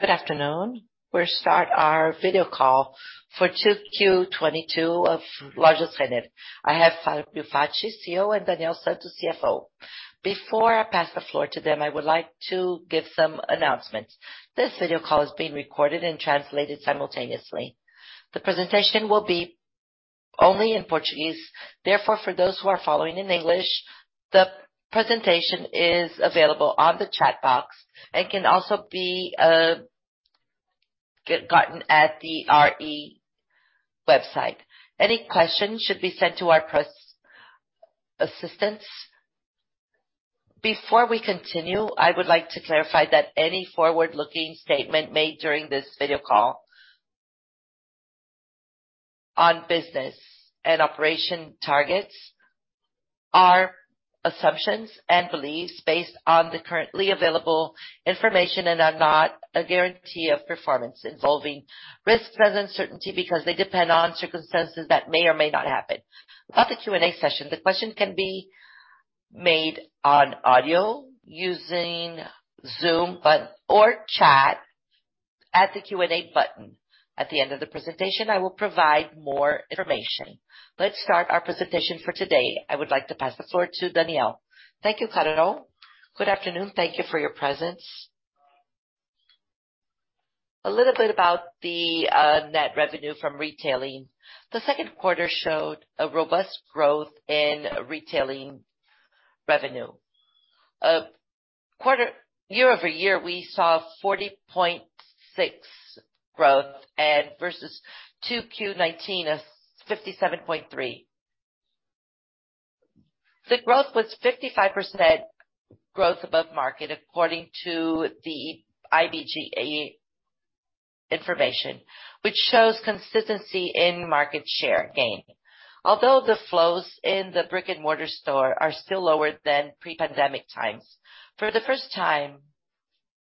Good afternoon. We'll start our video call for 2Q 2022 of Lojas Renner. I have Fabio Faccio, CEO, and Daniel Santos, CFO. Before I pass the floor to them, I would like to give some announcements. This video call is being recorded and translated simultaneously. The presentation will be only in Portuguese. Therefore, for those who are following in English, the presentation is available on the chat box and can also be gotten at the Renner website. Any questions should be sent to our press assistants. Before we continue, I would like to clarify that any forward-looking statement made during this video call on business and operation targets are assumptions and beliefs based on the currently available information and are not a guarantee of performance involving risk, present uncertainty because they depend on circumstances that may or may not happen. About the Q&A session, the question can be made on audio using Zoom or chat at the Q&A button. At the end of the presentation, I will provide more information. Let's start our presentation for today. I would like to pass the floor to Daniel. Thank you, Carol. Good afternoon. Thank you for your presence. A little bit about the net revenue from retailing. The Q2 showed a robust growth in retailing revenue. Year over year, we saw 40.6% growth and versus 2Q19 as 57.3. The growth was 55% growth above market according to the IBGE information, which shows consistency in market share gain. Although the flows in the brick-and-mortar store are still lower than pre-pandemic times, for the first time,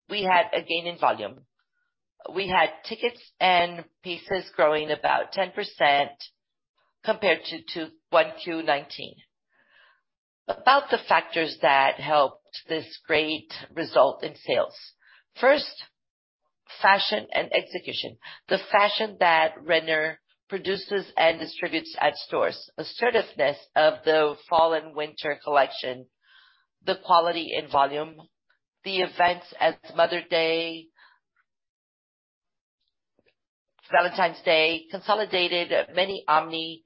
we had a gain in volume. We had tickets and pieces growing about 10% compared to 1Q19. About the factors that helped this great result in sales. First, fashion and execution. The fashion that Renner produces and distributes at stores. Assertiveness of the fall and winter collection, the quality and volume, the events as Mother's Day, Valentine's Day, consolidated many omni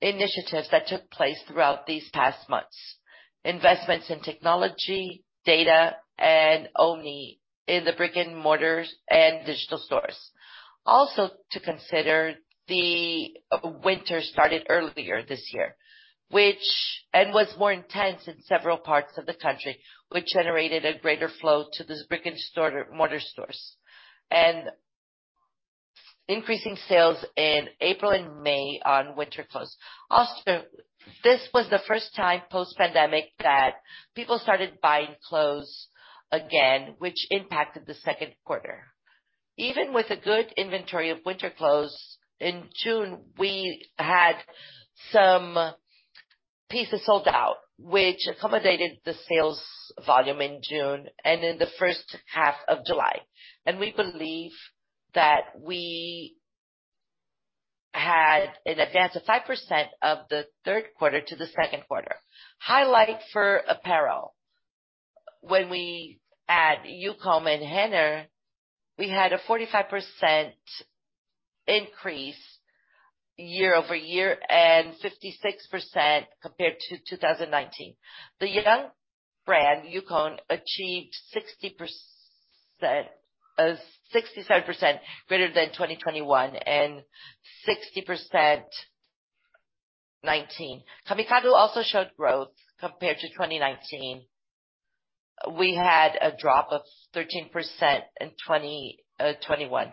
initiatives that took place throughout these past months. Investments in technology, data, and omni in the brick-and-mortar stores and digital stores. Also, to consider, the winter started earlier this year, which was more intense in several parts of the country, which generated a greater flow to these brick-and-mortar stores. Increasing sales in April and May on winter clothes. Also, this was the first time post-pandemic that people started buying clothes again, which impacted the Q2. Even with a good inventory of winter clothes, in June, we had some pieces sold out, which accommodated the sales volume in June and in the H1 of July. We believe that we had an advance of 5% of the Q3 to the Q2. Highlight for apparel. When we add Youcom and Renner, we had a 45% increase year over year and 56% compared to 2019. The young brand, Youcom, achieved 60%, 67% greater than 2021 and 60% 2019. Camicado also showed growth compared to 2019. We had a drop of 13% in 2021.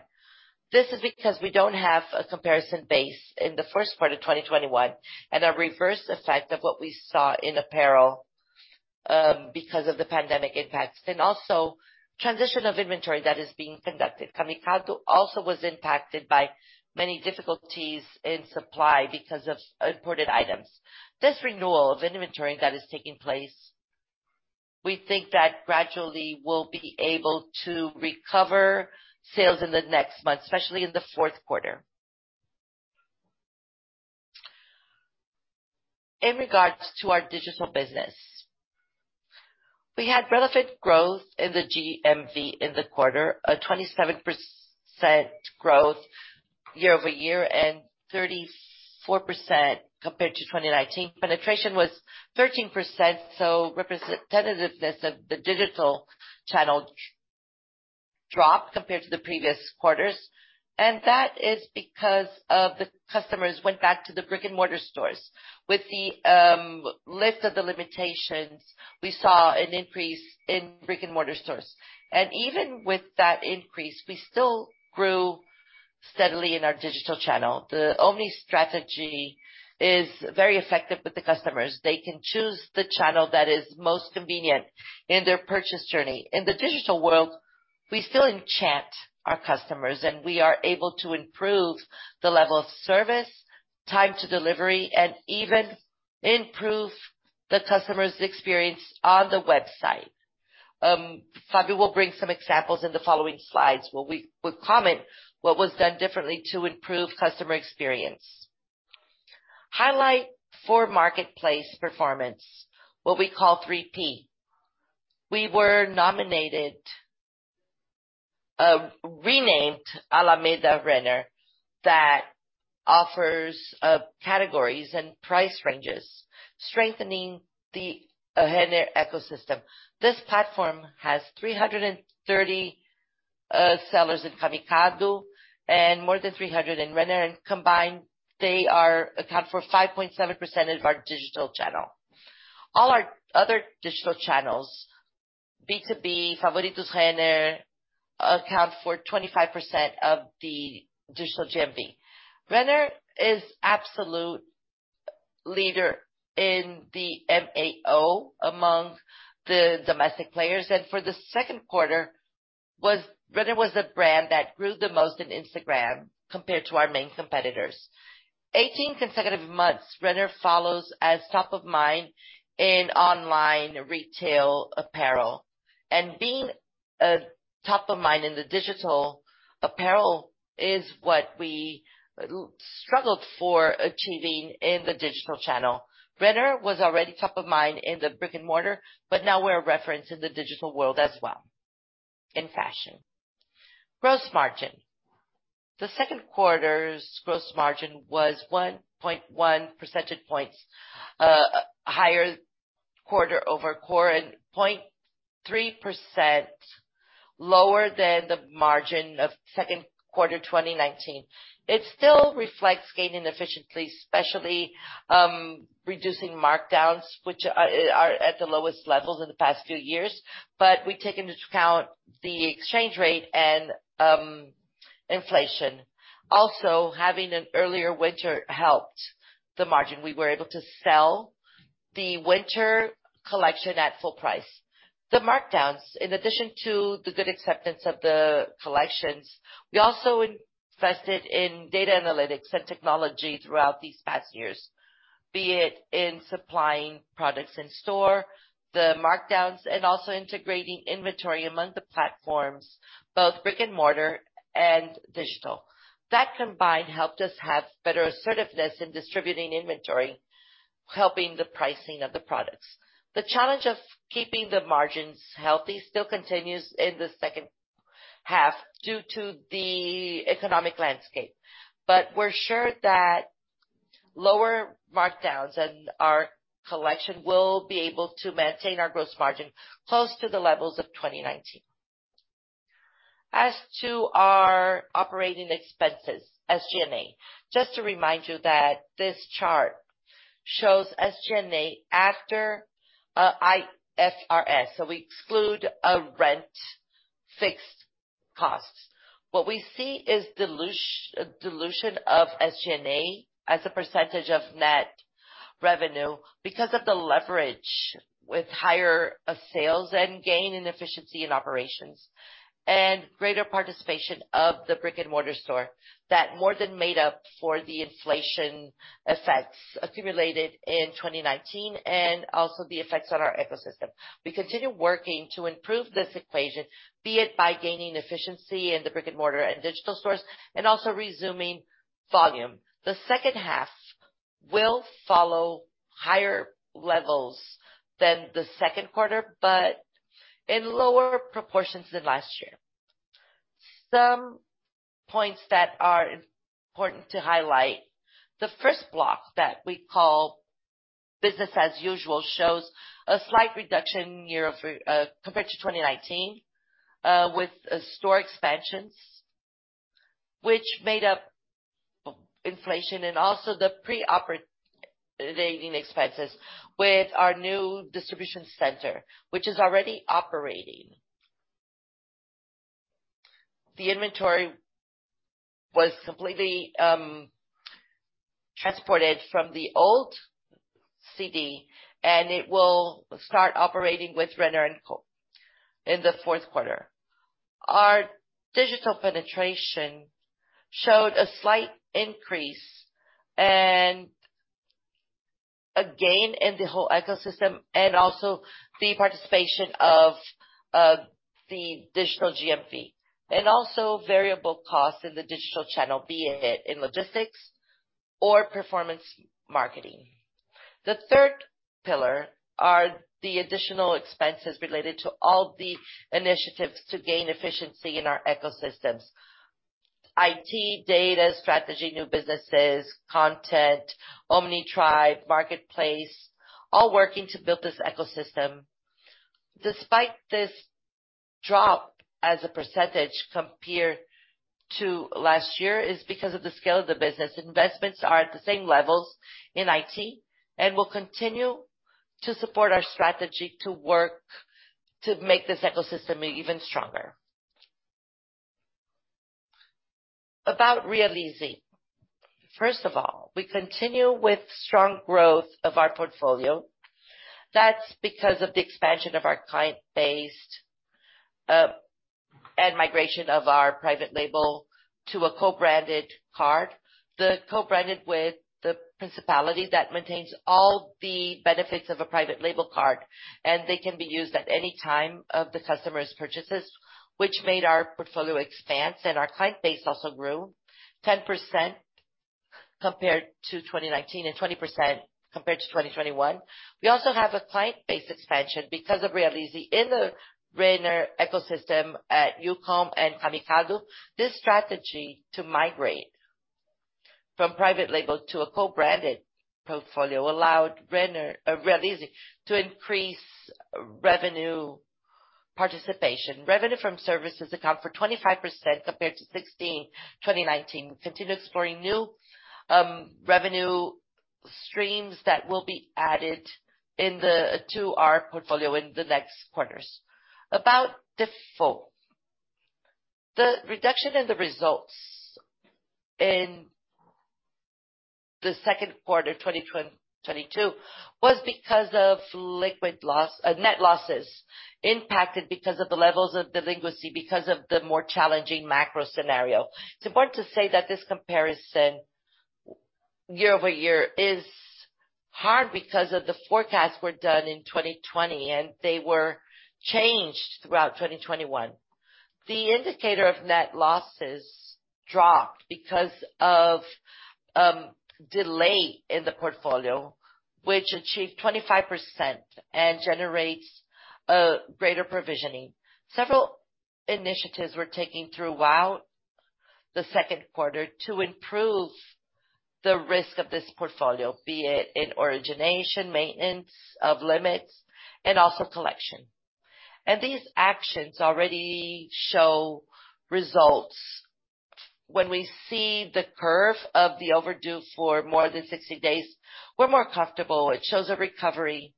This is because we don't have a comparison base in the first part of 2021 and a reverse effect of what we saw in apparel, because of the pandemic impacts and also transition of inventory that is being conducted. Camicado also was impacted by many difficulties in supply because of imported items. This renewal of inventory that is taking place, we think that gradually we'll be able to recover sales in the next month, especially in the Q4. In regards to our digital business, we had relevant growth in the GMV in the quarter, a 27% growth year-over-year and 34% compared to 2019. Penetration was 13%, so representativeness of the digital channel dropped compared to the previous quarters. That is because the customers went back to the brick-and-mortar stores. With the lift of the limitations, we saw an increase in brick-and-mortar stores. Even with that increase, we still grew steadily in our digital channel. The omni strategy is very effective with the customers. They can choose the channel that is most convenient in their purchase journey. In the digital world, we still enchant our customers, and we are able to improve the level of service, time to delivery, and even improve the customer's experience on the website. Fabio will bring some examples in the following slides, where we'll comment what was done differently to improve customer experience. Highlight for marketplace performance, what we call 3P. We renamed Alameda Renner that offers categories and price ranges, strengthening the Renner ecosystem. This platform has 330 sellers in Camicado and more than 300 in Renner. Combined, they account for 5.7% of our digital channel. All our other digital channels, B2B, Favoritos Renner, account for 25% of the digital GMV. Renner is absolute leader in the MAO among the domestic players. For the Q2, Renner was the brand that grew the most in Instagram compared to our main competitors. 18 consecutive months, Renner follows as top of mind in online retail apparel. Being a top of mind in the digital apparel is what we struggled for achieving in the digital channel. Renner was already top of mind in the brick-and-mortar, but now we're a reference in the digital world as well, in fashion. Gross margin. The Q2's gross margin was 1.1% points higher quarter-over-quarter, and 0.3% lower than the margin of Q2 2019. It still reflects gaining efficiently, especially, reducing markdowns, which are at the lowest levels in the past few years. We take into account the exchange rate and inflation. Also, having an earlier winter helped the margin. We were able to sell the winter collection at full price. The markdowns, in addition to the good acceptance of the collections, we also invested in data analytics and technology throughout these past years. Be it in supplying products in store, the markdowns, and also integrating inventory among the platforms, both brick-and-mortar and digital. That combined helped us have better assertiveness in distributing inventory, helping the pricing of the products. The challenge of keeping the margins healthy still continues in the H2 due to the economic landscape. We're sure that lower markdowns and our collection will be able to maintain our gross margin close to the levels of 2019. As to our operating expenses, SG&A. Just to remind you that this chart shows SG&A after IFRS. We exclude rent fixed costs. What we see is dilution of SG&A as a percentage of net revenue because of the leverage with higher sales and gains in efficiency in operations, and greater participation of the brick-and-mortar store that more than made up for the inflation effects accumulated in 2019 and also the effects on our ecosystem. We continue working to improve this equation, be it by gaining efficiency in the brick-and-mortar and digital stores, and also resuming volume. The H2 will follow higher levels than the Q2, but in lower proportions than last year. Some points that are important to highlight. The first block that we call business as usual shows a slight reduction compared to 2019, with store expansions, which made up inflation and also the pre-operating expenses with our new distribution center, which is already operating. The inventory was completely transported from the old CD, and it will start operating with Renner in the Q4. Our digital penetration showed a slight increase and a gain in the whole ecosystem, and also the participation of the digital GMV, and also variable costs in the digital channel, be it in logistics or performance marketing. The third pillar are the additional expenses related to all the initiatives to gain efficiency in our ecosystems. IT, data, strategy, new businesses, content, Omni tribe, marketplace, all working to build this ecosystem. Despite this drop as a percentage compared to last year is because of the scale of the business. Investments are at the same levels in IT and will continue to support our strategy to work to make this ecosystem even stronger. About Realize. First of all, we continue with strong growth of our portfolio. That's because of the expansion of our client base, and migration of our private label to a co-branded card. The co-branded with Bradesco that maintains all the benefits of a private label card, and they can be used at any time of the customer's purchases, which made our portfolio expansion and our client base also grew 10% compared to 2019, and 20% compared to 2021. We also have a client base expansion because of Realize in the Renner ecosystem at Youcom and Camicado. This strategy to migrate from private label to a co-branded portfolio allowed Renner, Realize to increase revenue participation. Revenue from services account for 25% compared to 16%, 2019. Continue exploring new revenue streams that will be added to our portfolio in the next quarters. About default. The reduction in the results in the Q2 of 2022 was because of liquid loss, net losses impacted because of the levels of delinquency, because of the more challenging macro scenario. It's important to say that this comparison year-over-year is hard because the forecasts were done in 2020, and they were changed throughout 2021. The indicator of net losses dropped because of delinquency in the portfolio, which achieved 25% and generates greater provisioning. Several initiatives were taken throughout the Q2 to improve the risk of this portfolio, be it in origination, maintenance of limits, and also collection. These actions already show results. When we see the curve of the overdue for more than 60 days, we're more comfortable. It shows a recovery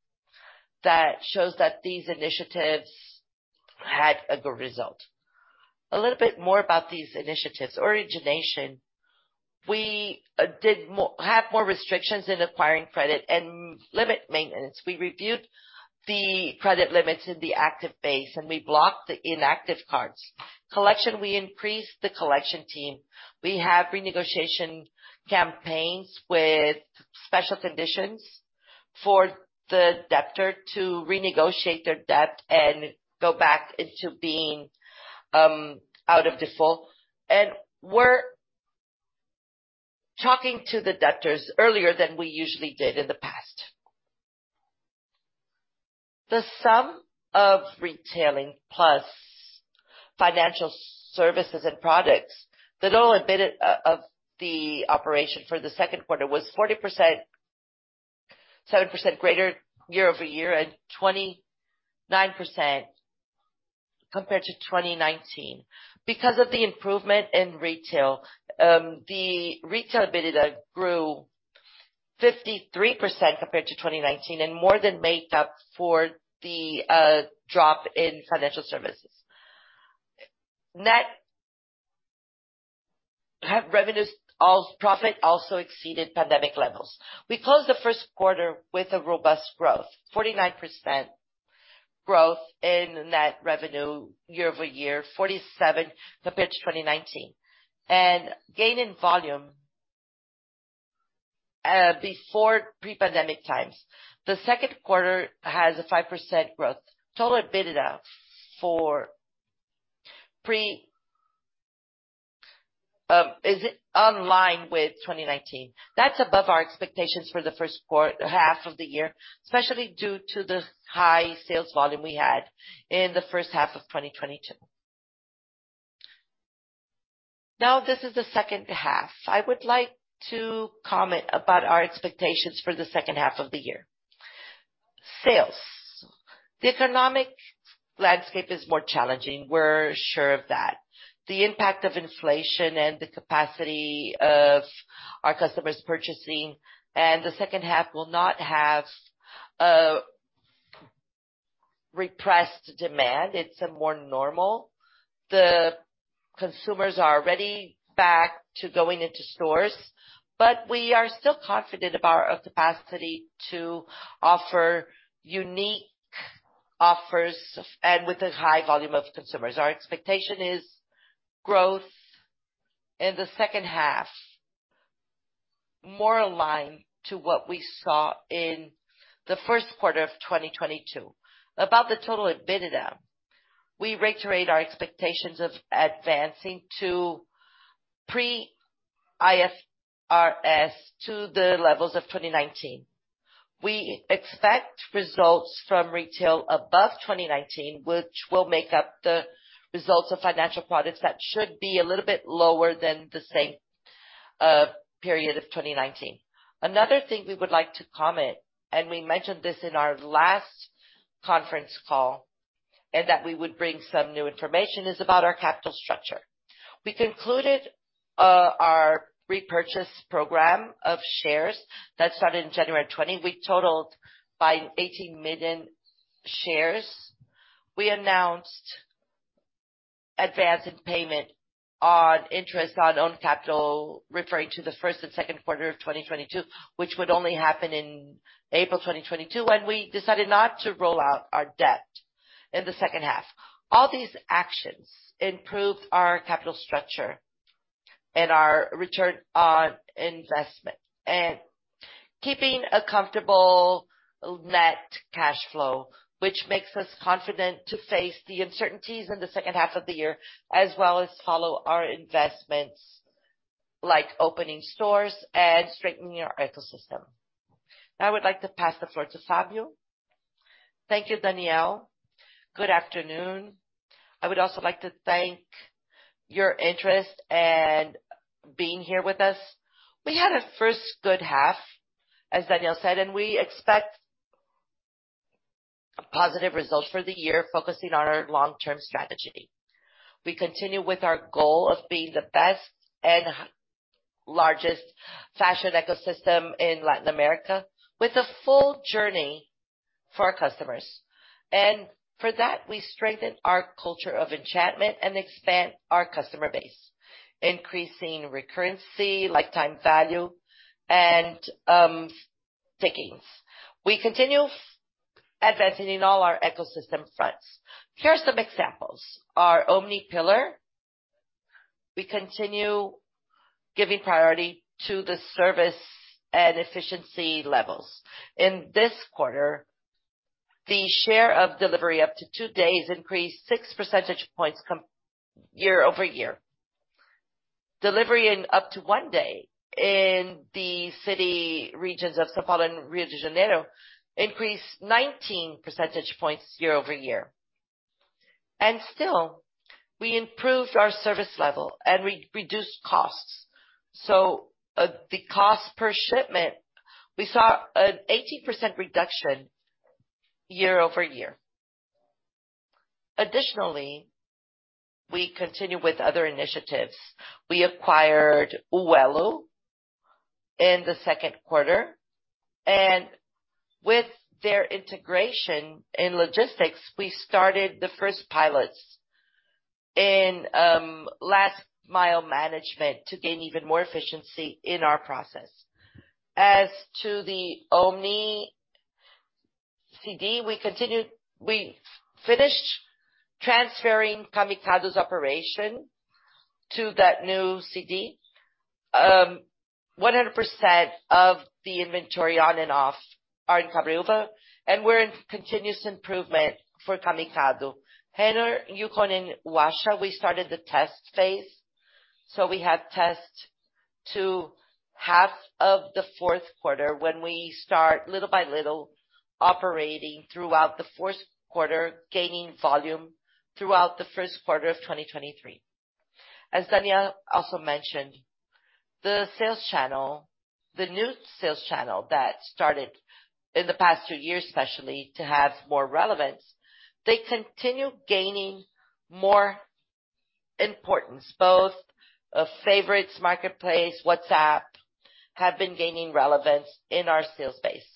that shows that these initiatives had a good result. A little bit more about these initiatives. Origination, we have more restrictions in acquiring credit and limit maintenance. We reviewed the credit limits in the active base, and we blocked the inactive cards. Collection, we increased the collection team. We have renegotiation campaigns with special conditions for the debtor to renegotiate their debt and go back into being out of default. We're talking to the debtors earlier than we usually did in the past. The sum of retailing plus financial services and products, the total EBITDA of the operation for the Q2 was 40%, 7% greater year-over-year and 29% compared to 2019. Because of the improvement in retail, the retail EBITDA grew 53% compared to 2019 and more than made up for the drop in financial services. Net revenues, EBITDA also exceeded pandemic levels. We closed the Q1 with a robust growth, 49% growth in net revenue year-over-year, 47% compared to 2019. Gain in volume before pre-pandemic times. The Q2 has a 5% growth. Total EBITDA is in line with 2019. That's above our expectations for the H1 of the year, especially due to the high sales volume we had in the H1 of 2022. Now, this is the H2. I would like to comment about our expectations for the H2 of the year. Sales. The economic landscape is more challenging, we're sure of that. The impact of inflation and the capacity of our customers purchasing and the H2 will not have repressed demand. It's a more normal. The consumers are already back to going into stores. We are still confident about our capacity to offer unique offers, and with a high volume of consumers. Our expectation is growth in the H2, more aligned to what we saw in the Q1 of 2022. About the total EBITDA, we reiterate our expectations of advancing to pre-IFRS to the levels of 2019. We expect results from retail above 2019, which will make up the results of financial products that should be a little bit lower than the same period of 2019. Another thing we would like to comment, and we mentioned this in our last conference call, and that we would bring some new information, is about our capital structure. We concluded our repurchase program of shares that started in January 2020. We totaled buying 18 million shares. We announced advance payment on interest on own capital, referring to the Q1 and Q2 of 2022, which would only happen in April 2022, when we decided not to roll over our debt in the H2. All these actions improved our capital structure and our return on investment. Keeping a comfortable net cash flow, which makes us confident to face the uncertainties in the H2 of the year, as well as follow our investments like opening stores and strengthening our ecosystem. Now I would like to pass the floor to Fabio. Thank you, Daniel. Good afternoon. I would also like to thank your interest and being here with us. We had a first good half, as Daniel said, and we expect positive results for the year focusing on our long-term strategy. We continue with our goal of being the best and largest fashion ecosystem in Latin America with a full journey for our customers. For that, we strengthen our culture of enchantment and expand our customer base, increasing recurrency, lifetime value, and takings. We continue advancing in all our ecosystem fronts. Here are some examples. Our omni pillar, we continue giving priority to the service and efficiency levels. In this quarter, the share of delivery up to 2 days increased 6% points year-over-year. Delivery in up to 1 day in the city regions of São Paulo and Rio de Janeiro increased 19% points year-over-year. We improved our service level and reduced costs. The cost per shipment, we saw an 18% reduction year-over-year. Additionally, we continue with other initiatives. We acquired Uello in the Q2. With their integration in logistics, we started the first pilots in last mile management to gain even more efficiency in our process. As to the omni CD, we finished transferring Camicado's operation to that new CD. 100% of the inventory on and off are in Cabreúva, and we're in continuous improvement for Camicado. Renner, Youcom, and Wash, we started the test phase. We have tests to half of the Q4 when we start little by little operating throughout the Q4, gaining volume throughout the Q1 of 2023. As Daniel also mentioned, the sales channel, the new sales channel that started in the past 2 years, especially to have more relevance, they continue gaining more importance. Both Favoritos Marketplace, WhatsApp, have been gaining relevance in our sales base.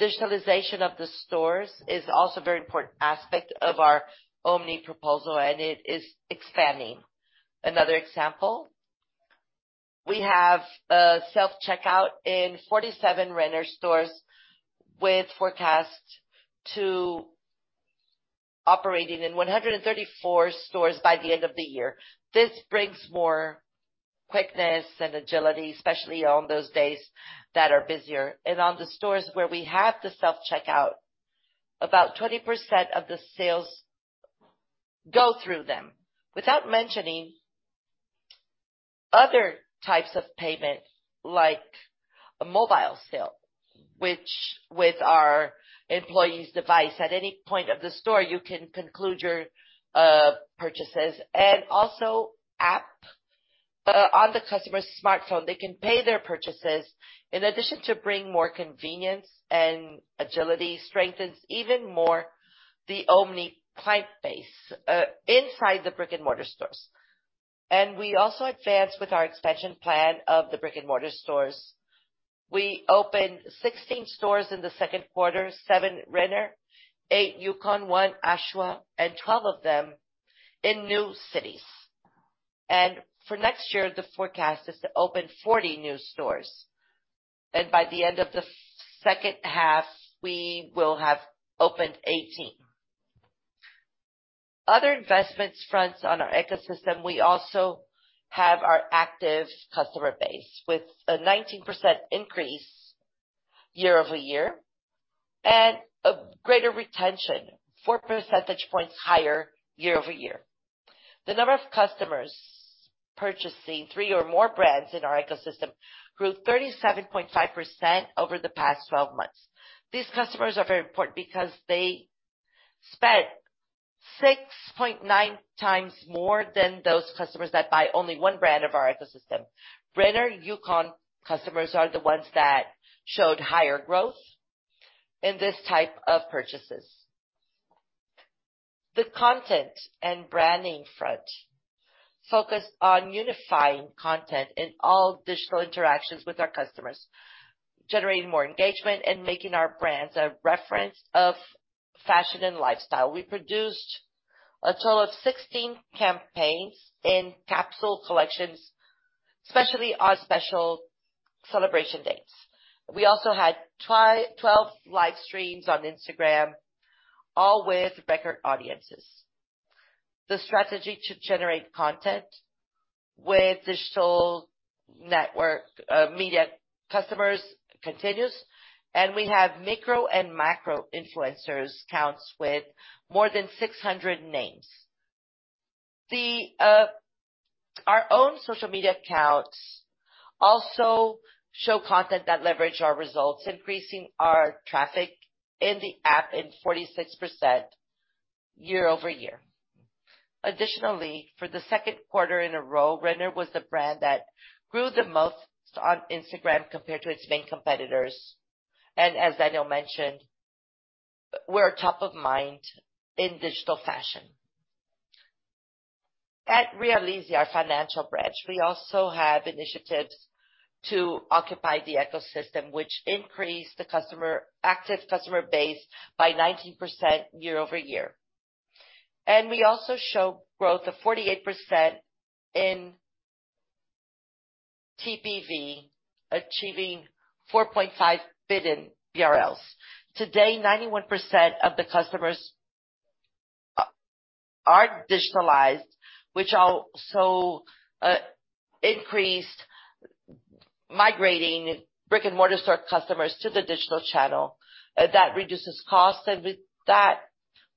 Digitalization of the stores is also a very important aspect of our omni proposal, and it is expanding. Another example, we have self-checkout in 47 Renner stores with forecast to operating in 134 stores by the end of the year. This brings more quickness and agility, especially on those days that are busier. On the stores where we have the self-checkout, about 20% of the sales go through them. Without mentioning other types of payment, like a mobile sale, which with our employees device, at any point of the store, you can conclude your, purchases. Also app on the customer's smartphone, they can pay their purchases. In addition to bring more convenience and agility strengthens even more the omni client base, inside the brick-and-mortar stores. We also advance with our expansion plan of the brick-and-mortar stores. We opened 16 stores in the Q2, 7 Renner, 8 Youcom, 1 Ashua, and 12 of them in new cities. For next year, the forecast is to open 40 new stores. By the end of the H2, we will have opened 18. Other investments fronts on our ecosystem, we also have our active customer base with a 19% increase year-over-year and a greater retention, 4% points higher year-over-year. The number of customers purchasing 3 or more brands in our ecosystem grew 37.5% over the past 12 months. These customers are very important because they spent 6.9 times more than those customers that buy only 1 brand of our ecosystem. Renner, Youcom customers are the ones that showed higher growth in this type of purchases. The content and branding front focus on unifying content in all digital interactions with our customers, generating more engagement and making our brands a reference of fashion and lifestyle. We produced a total of 16 campaigns in capsule collections, especially on special celebration dates. We also had 12 live streams on Instagram, all with record audiences. The strategy to generate content with digital network, media customers continues, and we have micro and macro influencers accounts with more than 600 names. Our own social media accounts also show content that leverage our results, increasing our traffic in the app by 46% year-over-year. Additionally, for the Q2 in a row, Renner was the brand that grew the most on Instagram compared to its main competitors. As Daniel mentioned, we're top of mind in digital fashion. At Realize, our financial branch, we also have initiatives to occupy the ecosystem, which increased the active customer base by 19% year-over-year. We also show growth of 48% in TPV, achieving 4.5 billion BRL. Today, 91% of the customers are digitalized, which also increased migration of brick-and-mortar store customers to the digital channel. That reduces cost, and with that,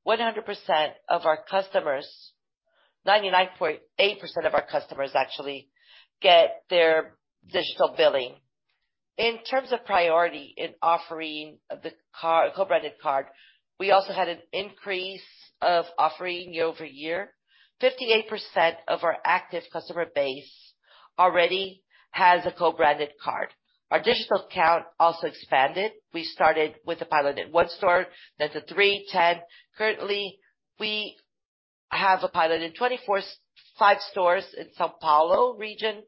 100% of our customers, 99.8% of our customers actually get their digital billing. In terms of priority in offering the co-branded card, we also had an increase of offering year-over-year. 58% of our active customer base already has a co-branded card. Our digital account also expanded. We started with a pilot in 1 store, then to 3, 10. Currently, we have a pilot in 25 stores in São Paulo region,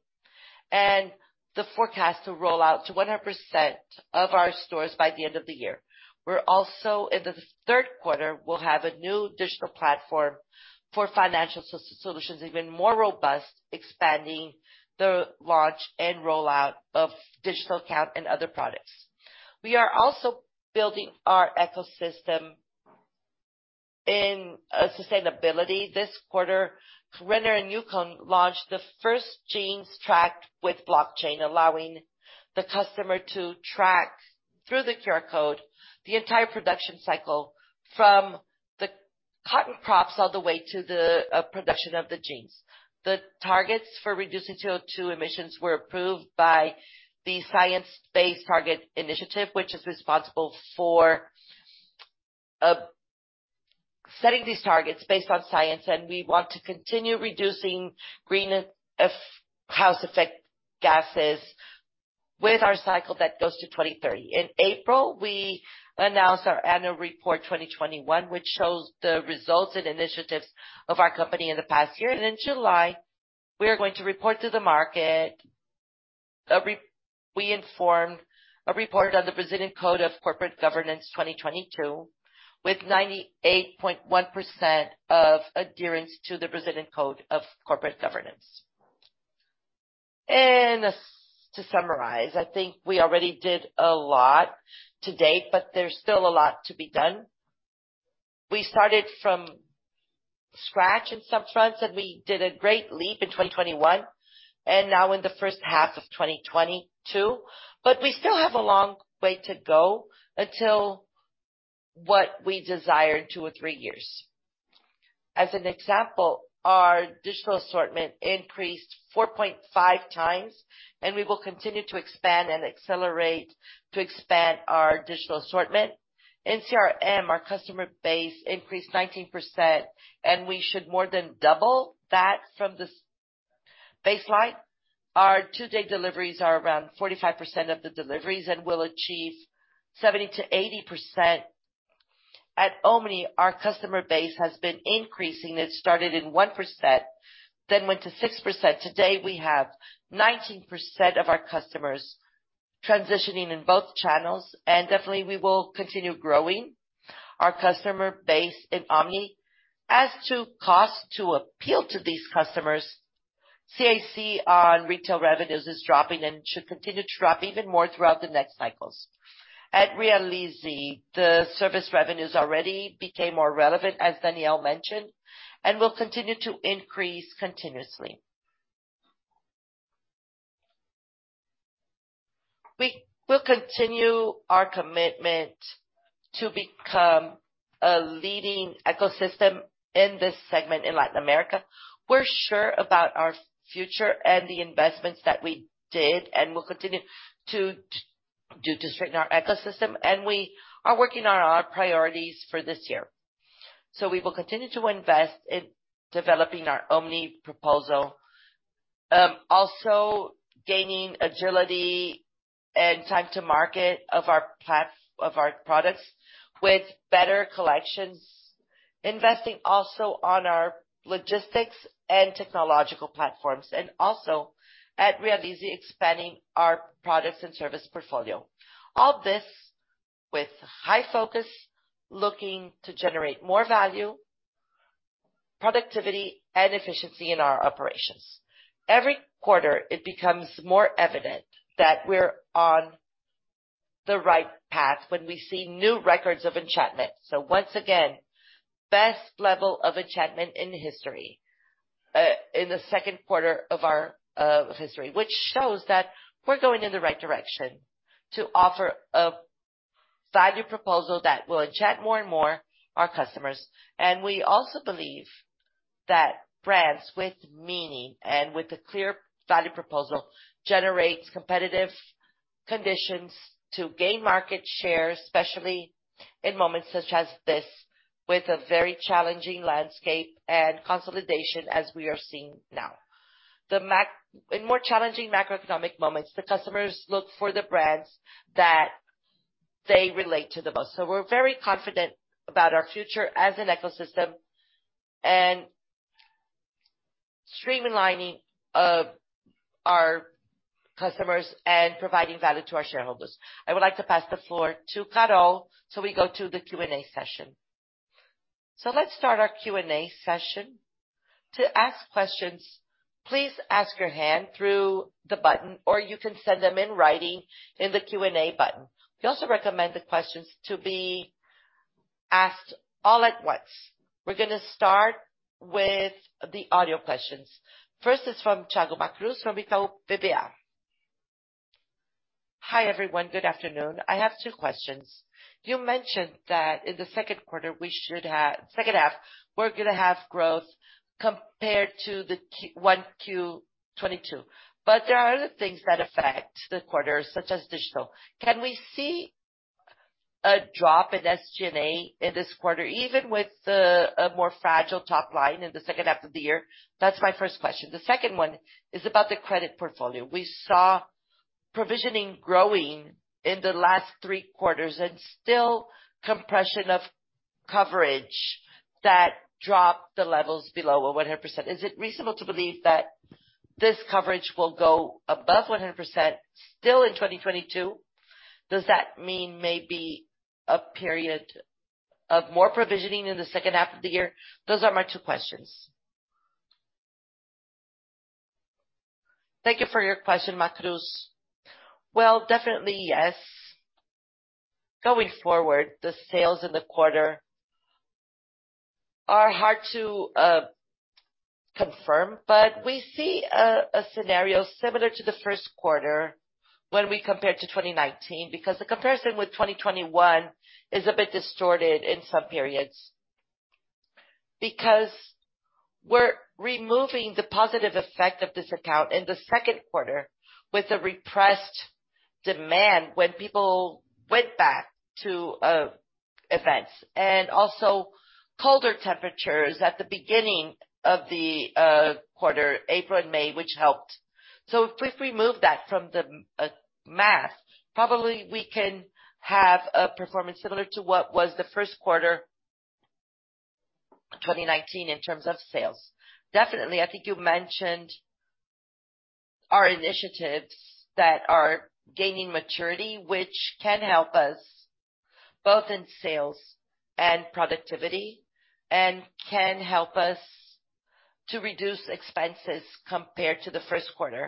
and the forecast to roll out to 100% of our stores by the end of the year. We're also, in the Q3, we'll have a new digital platform for financial solutions, even more robust, expanding the launch and rollout of digital account and other products. We are also building our ecosystem in sustainability. This quarter, Renner and Youcom launched the first jeans tracked with blockchain, allowing the customer to track, through the QR code, the entire production cycle from the cotton crops all the way to the production of the jeans. The targets for reducing CO2 emissions were approved by the Science Based Targets initiative, which is responsible for setting these targets based on science, and we want to continue reducing greenhouse effect gases with our cycle that goes to 2030. In April, we announced our annual report 2021, which shows the results and initiatives of our company in the past year. In July, we are going to report to the market we informed a report on the Brazilian Code of Corporate Governance 2022 with 98.1% of adherence to the Brazilian Code of Corporate Governance. To summarize, I think we already did a lot to date, but there's still a lot to be done. We started from scratch in some fronts, and we did a great leap in 2021 and now in the H1 of 2022, but we still have a long way to go until what we desire in 2 or 3 years. As an example, our digital assortment increased 4.5 times, and we will continue to expand and accelerate to expand our digital assortment. In CRM, our customer base increased 19%, and we should more than double that from this baseline. Our 2-day deliveries are around 45% of the deliveries and will achieve 70% to 80%. At Omni, our customer base has been increasing. It started in 1%, then went to 6%. Today, we have 19% of our customers transitioning in both channels, and definitely we will continue growing our customer base in Omni. As to cost to appeal to these customers, CAC on retail revenues is dropping and should continue to drop even more throughout the next cycles. At Realize, the service revenues already became more relevant, as Daniel mentioned, and will continue to increase continuously. We will continue our commitment to become a leading ecosystem in this segment in Latin America. We're sure about our future and the investments that we did and will continue to do to strengthen our ecosystem, and we are working on our priorities for this year. We will continue to invest in developing our Omni proposal. Also gaining agility and time to market of our products with better collections. Investing also on our logistics and technological platforms, and also at Realize expanding our products and service portfolio. All this with high focus, looking to generate more value, productivity and efficiency in our operations. Every quarter, it becomes more evident that we're on the right path when we see new records of enchantment. Once again, best level of enchantment in history, in the Q2 of our history. Which shows that we're going in the right direction to offer a value proposal that will enchant more and more our customers. We also believe that brands with meaning and with a clear value proposal generates competitive conditions to gain market share, especially in moments such as this, with a very challenging landscape and consolidation as we are seeing now. In more challenging macroeconomic moments, the customers look for the brands that they relate to the most. We're very confident about our future as an ecosystem and streamlining our customers and providing value to our shareholders. I would like to pass the floor to Carol, we go to the Q&A session. Let's start our Q&A session. To ask questions, please raise your hand using the button, or you can send them in writing in the Q&A button. We also recommend the questions to be asked all at once. We're gonna start with the audio questions. First is from Thiago Macruz from Itaú BBA. Hi, everyone. Good afternoon. I have 2 questions. You mentioned that in the H2, we're gonna have growth compared to Q1 2022, but there are other things that affect the quarter, such as digital. Can we see a drop in SG&A in this quarter, even with the more fragile top line in the H2 of the year? That's my first question. The second one is about the credit portfolio. We saw provisioning growing in the last 3 quarters and still compression of coverage that dropped the levels below 100%. Is it reasonable to believe that this coverage will go above 100% still in 2022? Does that mean maybe a period of more provisioning in the H2 of the year? Those are my 2 questions. Thank you for your question, Thiago Macruz. Well, definitely yes. Going forward, the sales in the quarter are hard to confirm, but we see a scenario similar to the Q1 when we compare to 2019. The comparison with 2021 is a bit distorted in some periods. The positive effect of this lockdown in the Q2 with the repressed demand when people went back to events and also colder temperatures at the beginning of the quarter, April and May, which helped. If we remove that from the math, probably we can have a performance similar to what was the Q1 2019 in terms of sales. Definitely, I think you mentioned our initiatives that are gaining maturity, which can help us both in sales and productivity and can help us to reduce expenses compared to the Q1.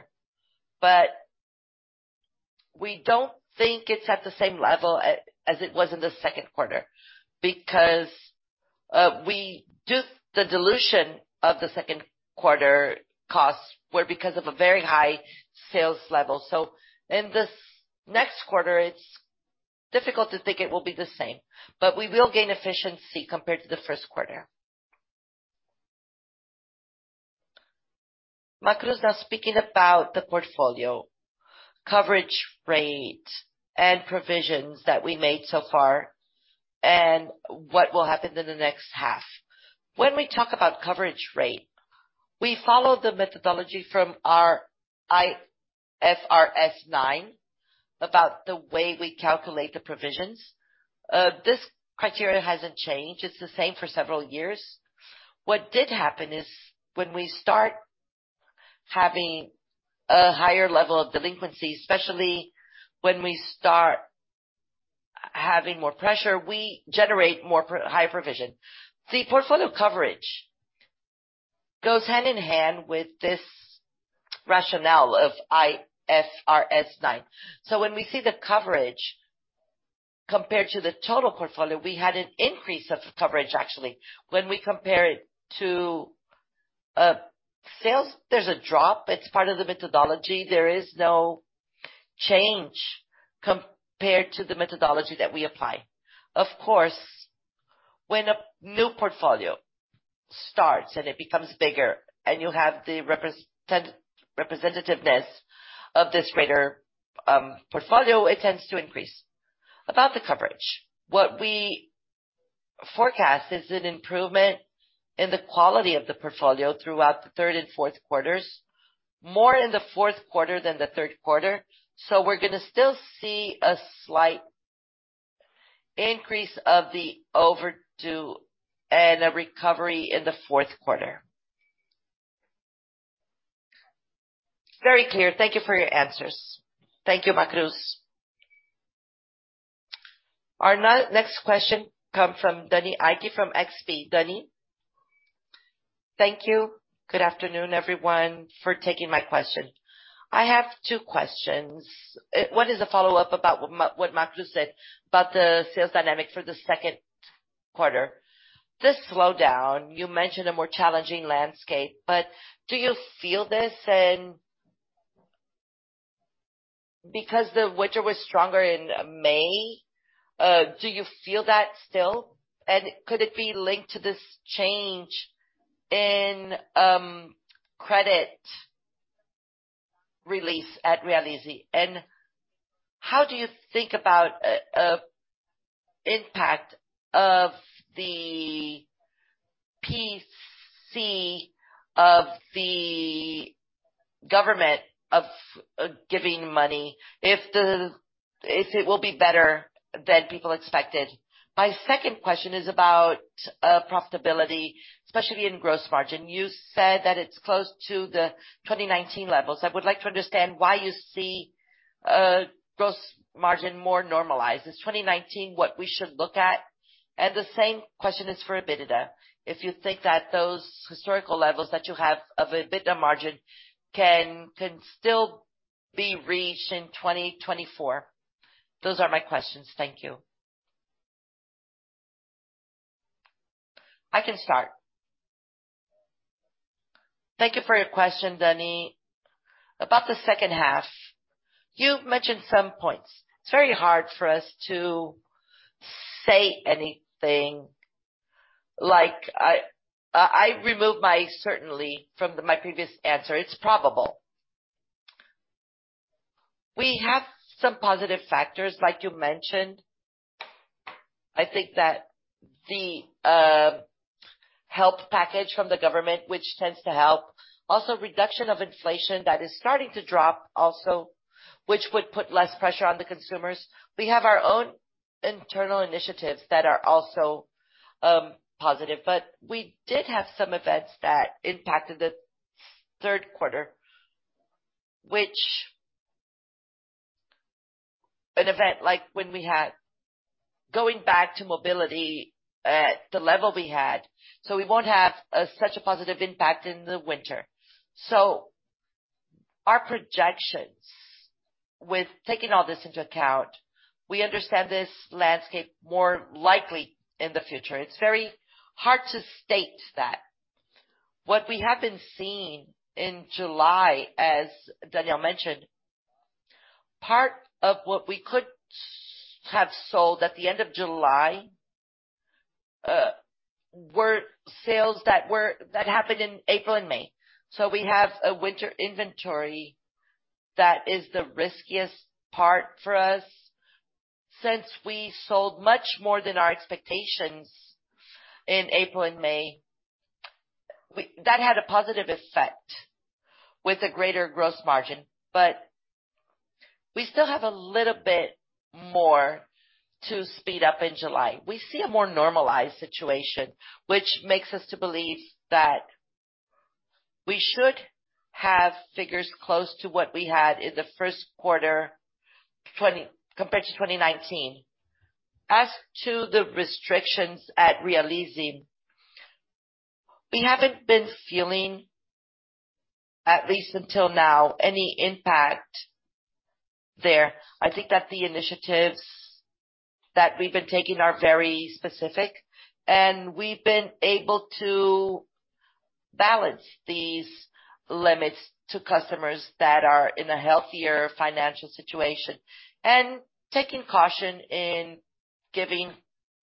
We don't think it's at the same level as it was in the Q2 because the dilution of the Q2 costs were because of a very high sales level. In this next quarter, it's difficult to think it will be the same, but we will gain efficiency compared to the Q1. Macruz, now speaking about the portfolio coverage rate and provisions that we made so far and what will happen in the next half. When we talk about coverage rate, we follow the methodology from our IFRS 9 about the way we calculate the provisions. This criteria hasn't changed. It's the same for several years. What did happen is when we start having a higher level of delinquency, especially when we start having more pressure, we generate higher provision. The portfolio coverage goes hand in hand with this rationale of IFRS 9. When we see the coverage compared to the total portfolio, we had an increase of coverage, actually. When we compare it to sales, there's a drop. It's part of the methodology. There is no change compared to the methodology that we apply. Of course, when a new portfolio starts and it becomes bigger and you have the representativeness of this greater portfolio, it tends to increase. About the coverage, what we forecast is an improvement in the quality of the portfolio throughout the Q3 and Q4. More in the Q4 than the Q3. We're gonna still see a slight increase of the overdue and a recovery in the Q4. Very clear. Thank you for your answers. Thank you, Macruz. Our next question comes from Dannie Eiger from XP. Dannie. Thank you. Good afternoon, everyone, for taking my question. I have 2 questions. 1 is a follow-up about what Macruz said about the sales dynamic for the Q2. The slowdown, you mentioned a more challenging landscape, but do you feel this? Because the winter was stronger in May, do you feel that still? Could it be linked to this change in credit release at Realize? How do you think about impact of the PEC of the government of giving money if it will be better than people expected? My second question is about profitability, especially in gross margin. You said that it's close to the 2019 levels. I would like to understand why you see gross margin more normalized. Is 2019 what we should look at? The same question is for EBITDA, if you think that those historical levels that you have of EBITDA margin can still be reached in 2024. Those are my questions. Thank you. I can start. Thank you for your question, Dani. About the H2, you mentioned some points. It's very hard for us to say anything. I removed my certainty from my previous answer. It's probable. We have some positive factors, like you mentioned. I think that the health package from the government, which tends to help. Also reduction of inflation that is starting to drop also, which would put less pressure on the consumers. We have our own internal initiatives that are also positive. We did have some events that impacted the Q3. An event like when we had going back to mobility at the level we had. We won't have such a positive impact in the winter. Our projections with taking all this into account, we understand this landscape more likely in the future. It's very hard to state that. What we have been seeing in July, as Daniel mentioned, part of what we could have sold at the end of July were sales that happened in April and May. We have a winter inventory that is the riskiest part for us. Since we sold much more than our expectations in April and May, that had a positive effect with a greater gross margin, but we still have a little bit more to speed up in July. We see a more normalized situation, which makes us to believe that we should have figures close to what we had in the Q1 2020 compared to 2019. As to the restrictions at Realize, we haven't been feeling, at least until now, any impact there. I think that the initiatives that we've been taking are very specific, and we've been able to balance these limits to customers that are in a healthier financial situation, and taking caution in giving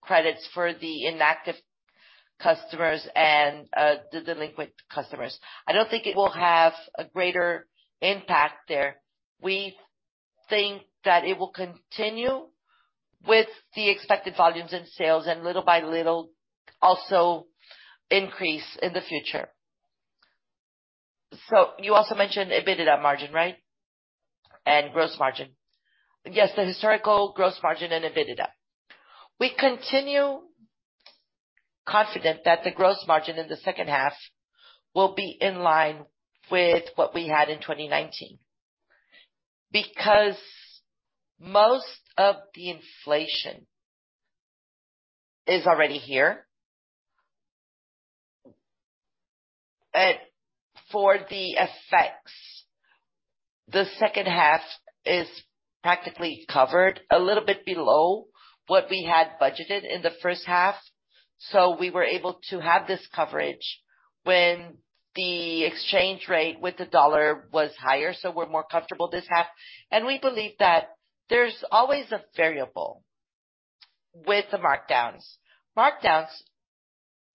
credits for the inactive customers and the delinquent customers. I don't think it will have a greater impact there. We think that it will continue with the expected volumes in sales and little by little also increase in the future. You also mentioned EBITDA margin, right? Gross margin. Yes, the historical gross margin and EBITDA. We continue confident that the gross margin in the H2 will be in line with what we had in 2019, because most of the inflation is already here. For the effects, the H2 is practically covered a little bit below what we had budgeted in the H1. We were able to have this coverage when the exchange rate with the dollar was higher, so we're more comfortable this half. We believe that there's always a variable with the markdowns. Markdowns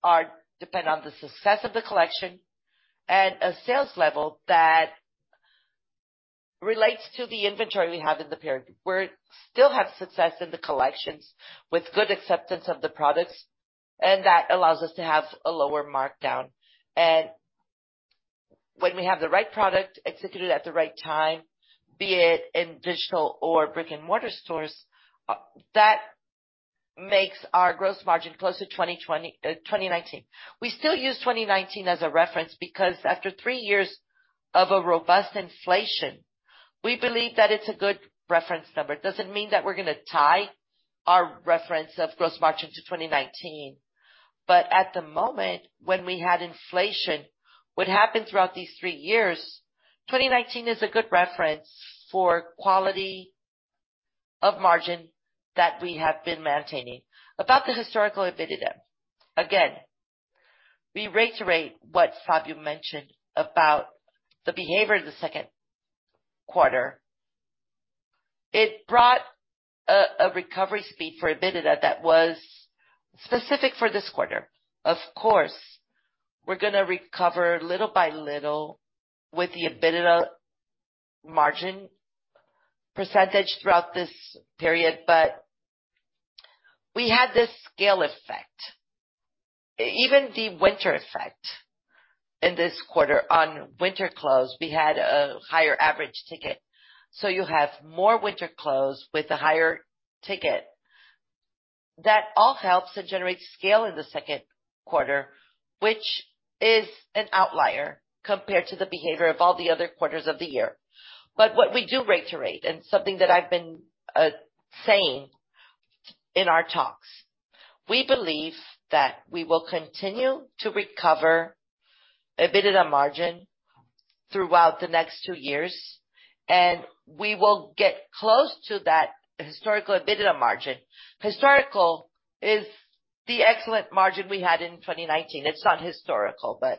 are dependent on the success of the collection and a sales level that relates to the inventory we have in the period. We still have success in the collections with good acceptance of the products, and that allows us to have a lower markdown. When we have the right product executed at the right time, be it in digital or brick-and-mortar stores, that makes our gross margin close to 2020, 2019. We still use 2019 as a reference because after 3 years of a robust inflation, we believe that it's a good reference number. It doesn't mean that we're gonna tie our reference of gross margin to 2019. At the moment, when we had inflation, what happened throughout these 3 years, 2019 is a good reference for quality of margin that we have been maintaining. About the historical EBITDA. Again, we reiterate what Fabio mentioned about the behavior of the Q2. It brought a recovery speed for EBITDA that was specific for this quarter. Of course, we're gonna recover little by little with the EBITDA margin percentage throughout this period. We had this scale effect, even the winter effect in this quarter. On winter clothes, we had a higher average ticket. You have more winter clothes with a higher ticket. That all helps to generate scale in the Q2, which is an outlier compared to the behavior of all the other quarters of the year. What we do reiterate, and something that I've been saying in our talks, we believe that we will continue to recover EBITDA margin throughout the next 2 years, and we will get close to that historical EBITDA margin. Historical is the excellent margin we had in 2019. It's not historical, but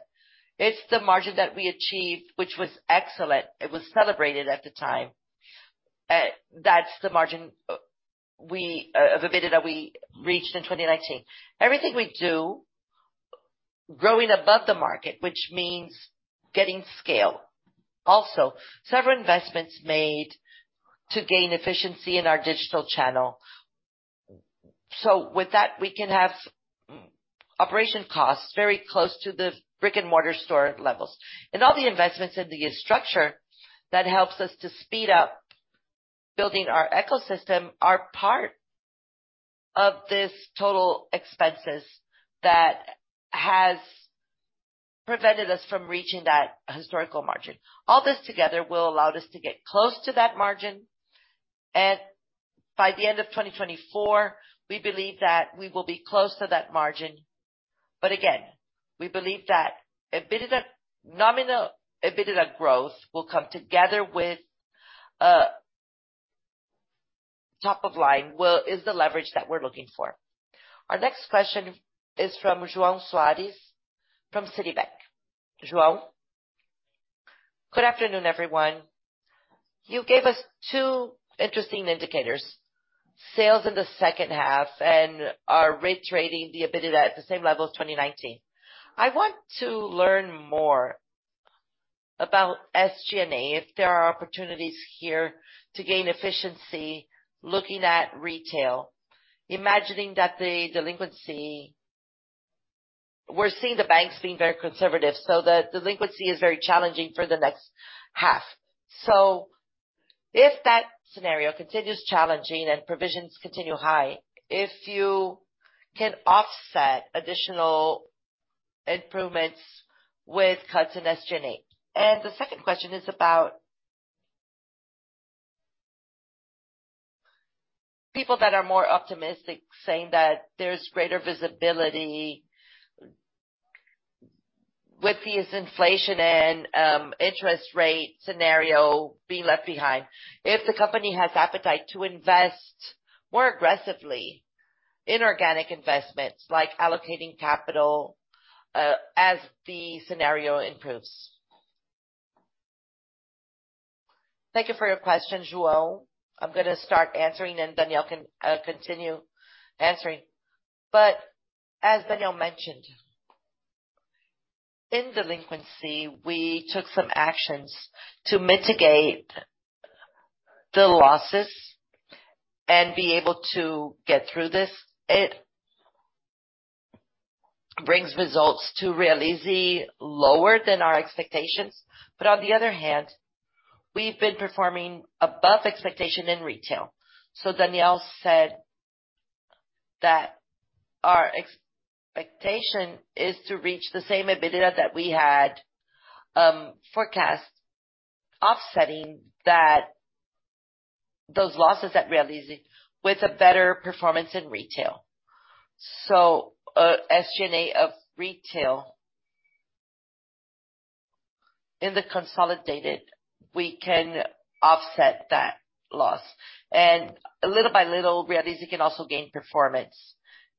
it's the margin that we achieved, which was excellent. It was celebrated at the time. That's the margin of EBITDA we reached in 2019. Everything we do, growing above the market, which means getting scale. Also, several investments made to gain efficiency in our digital channel. With that, we can have operation costs very close to the brick-and-mortar store levels. All the investments in the structure that helps us to speed up building our ecosystem are part of this total expenses that has prevented us from reaching that historical margin. All this together will allow us to get close to that margin, and by the end of 2024, we believe that we will be close to that margin. Again, we believe that EBITDA, nominal EBITDA growth will come together with top line is the leverage that we're looking for. Our next question is from João Soares from Citibank. João? Good afternoon, everyone. You gave us 2 interesting indicators, sales in the H2 and are reiterating the EBITDA at the same level as 2019. I want to learn more about SG&A, if there are opportunities here to gain efficiency looking at retail, imagining that the delinquency. We're seeing the banks being very conservative, so the delinquency is very challenging for the next half. If that scenario continues challenging and provisions continue high, if you can offset additional improvements with cuts in SG&A. The second question is about people that are more optimistic saying that there's greater visibility with this inflation and, interest rate scenario being left behind. If the company has appetite to invest more aggressively in organic investments, like allocating capital, as the scenario improves. Thank you for your question, João. I'm gonna start answering, and Daniel can continue answering. As Daniel mentioned, in delinquency, we took some actions to mitigate the losses and be able to get through this. It brings results to Realize lower than our expectations. On the other hand, we've been performing above expectation in retail. Daniel said that our expectation is to reach the same EBITDA that we had forecast, offsetting those losses at Realize with a better performance in retail. SG&A of retail in the consolidated, we can offset that loss. Little by little, Realize can also gain performance.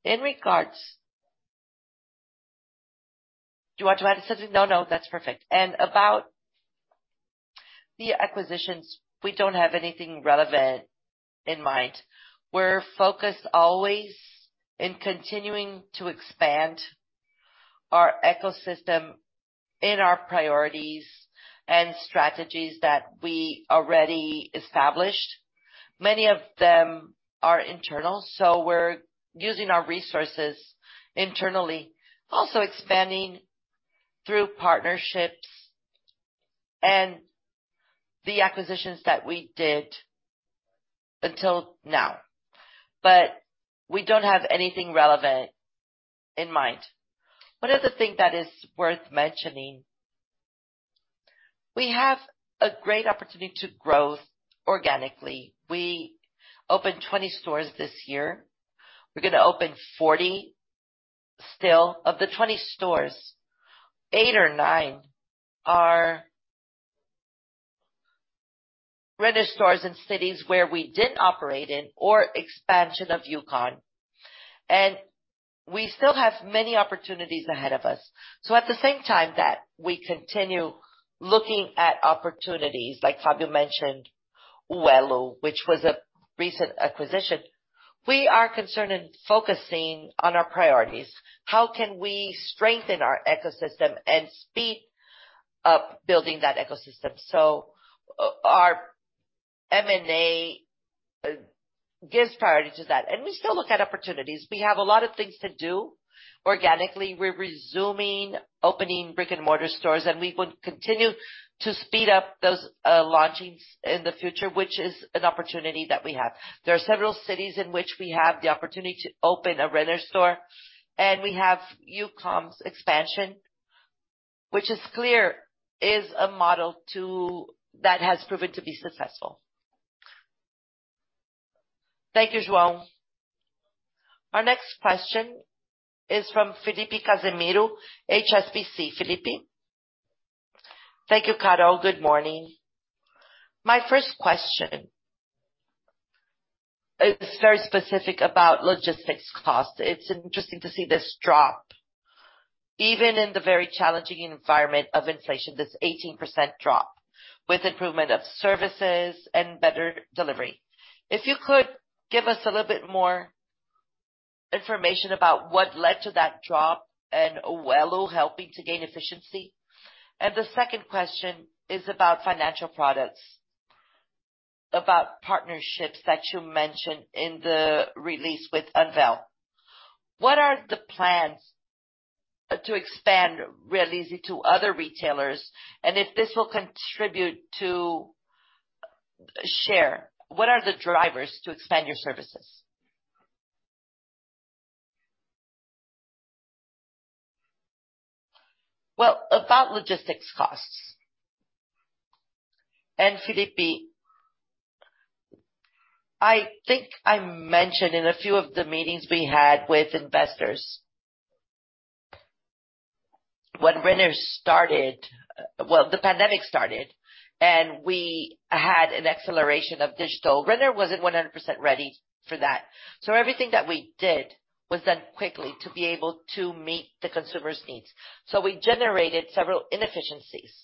In regards, do you want to add something? No, no, that's perfect. About the acquisitions, we don't have anything relevant in mind. We're focused always in continuing to expand our ecosystem in our priorities and strategies that we already established, many of them are internal, so we're using our resources internally, also expanding through partnerships and the acquisitions that we did until now. We don't have anything relevant in mind. One of the things that is worth mentioning, we have a great opportunity to grow organically. We opened 20 stores this year. We're gonna open 40 still. Of the 20 stores, 8 or 9 are Renner stores in cities where we didn't operate in or expansion of Youcom. We still have many opportunities ahead of us. At the same time that we continue looking at opportunities, like Fabio mentioned Uello, which was a recent acquisition, we are committed and focusing on our priorities. How can we strengthen our ecosystem and speed up building that ecosystem? Our M&A gives priority to that. We still look at opportunities. We have a lot of things to do organically. We're resuming opening brick-and-mortar stores, and we would continue to speed up those launchings in the future, which is an opportunity that we have. There are several cities in which we have the opportunity to open a Renner store, and we have Youcom's expansion, which clearly is a model that has proven to be successful. Thank you, João. Our next question is from Felipe Cassimiro, HSBC. Felipe. Thank you, Carol. Good morning. My first question is very specific about logistics cost. It's interesting to see this drop, even in the very challenging environment of inflation, this 18% drop with improvement of services and better delivery. If you could give us a little bit more information about what led to that drop and Uello helping to gain efficiency? The second question is about financial products, about partnerships that you mentioned in the release with Banval. What are the plans to expand Realize to other retailers, and if this will contribute to share, what are the drivers to expand your services? Well, about logistics costs, and Felipe, I think I mentioned in a few of the meetings we had with investors. The pandemic started, and we had an acceleration of digital. Renner wasn't 100% ready for that. Everything that we did was done quickly to be able to meet the consumer's needs. We generated several inefficiencies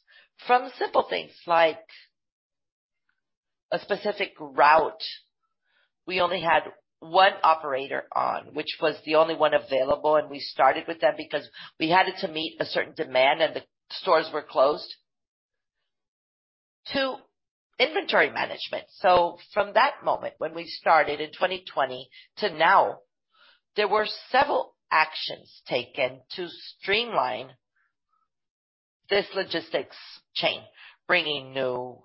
from simple things like a specific route we only had 1 operator on, which was the only 1 available, and we started with them because we had to meet a certain demand and the stores were closed, to inventory management. From that moment, when we started in 2020 to now, there were several actions taken to streamline this logistics chain, bringing new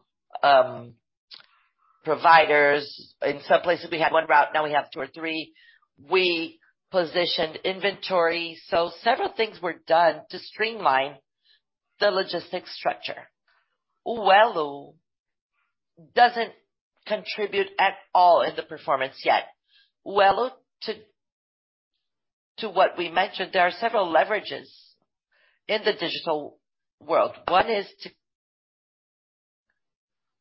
providers. In some places, we had 1 route, now we have 2 or 3. We positioned inventory. Several things were done to streamline the logistics structure. Uello doesn't contribute at all in the performance yet. Uello, to what we mentioned, there are several leverages in the digital world.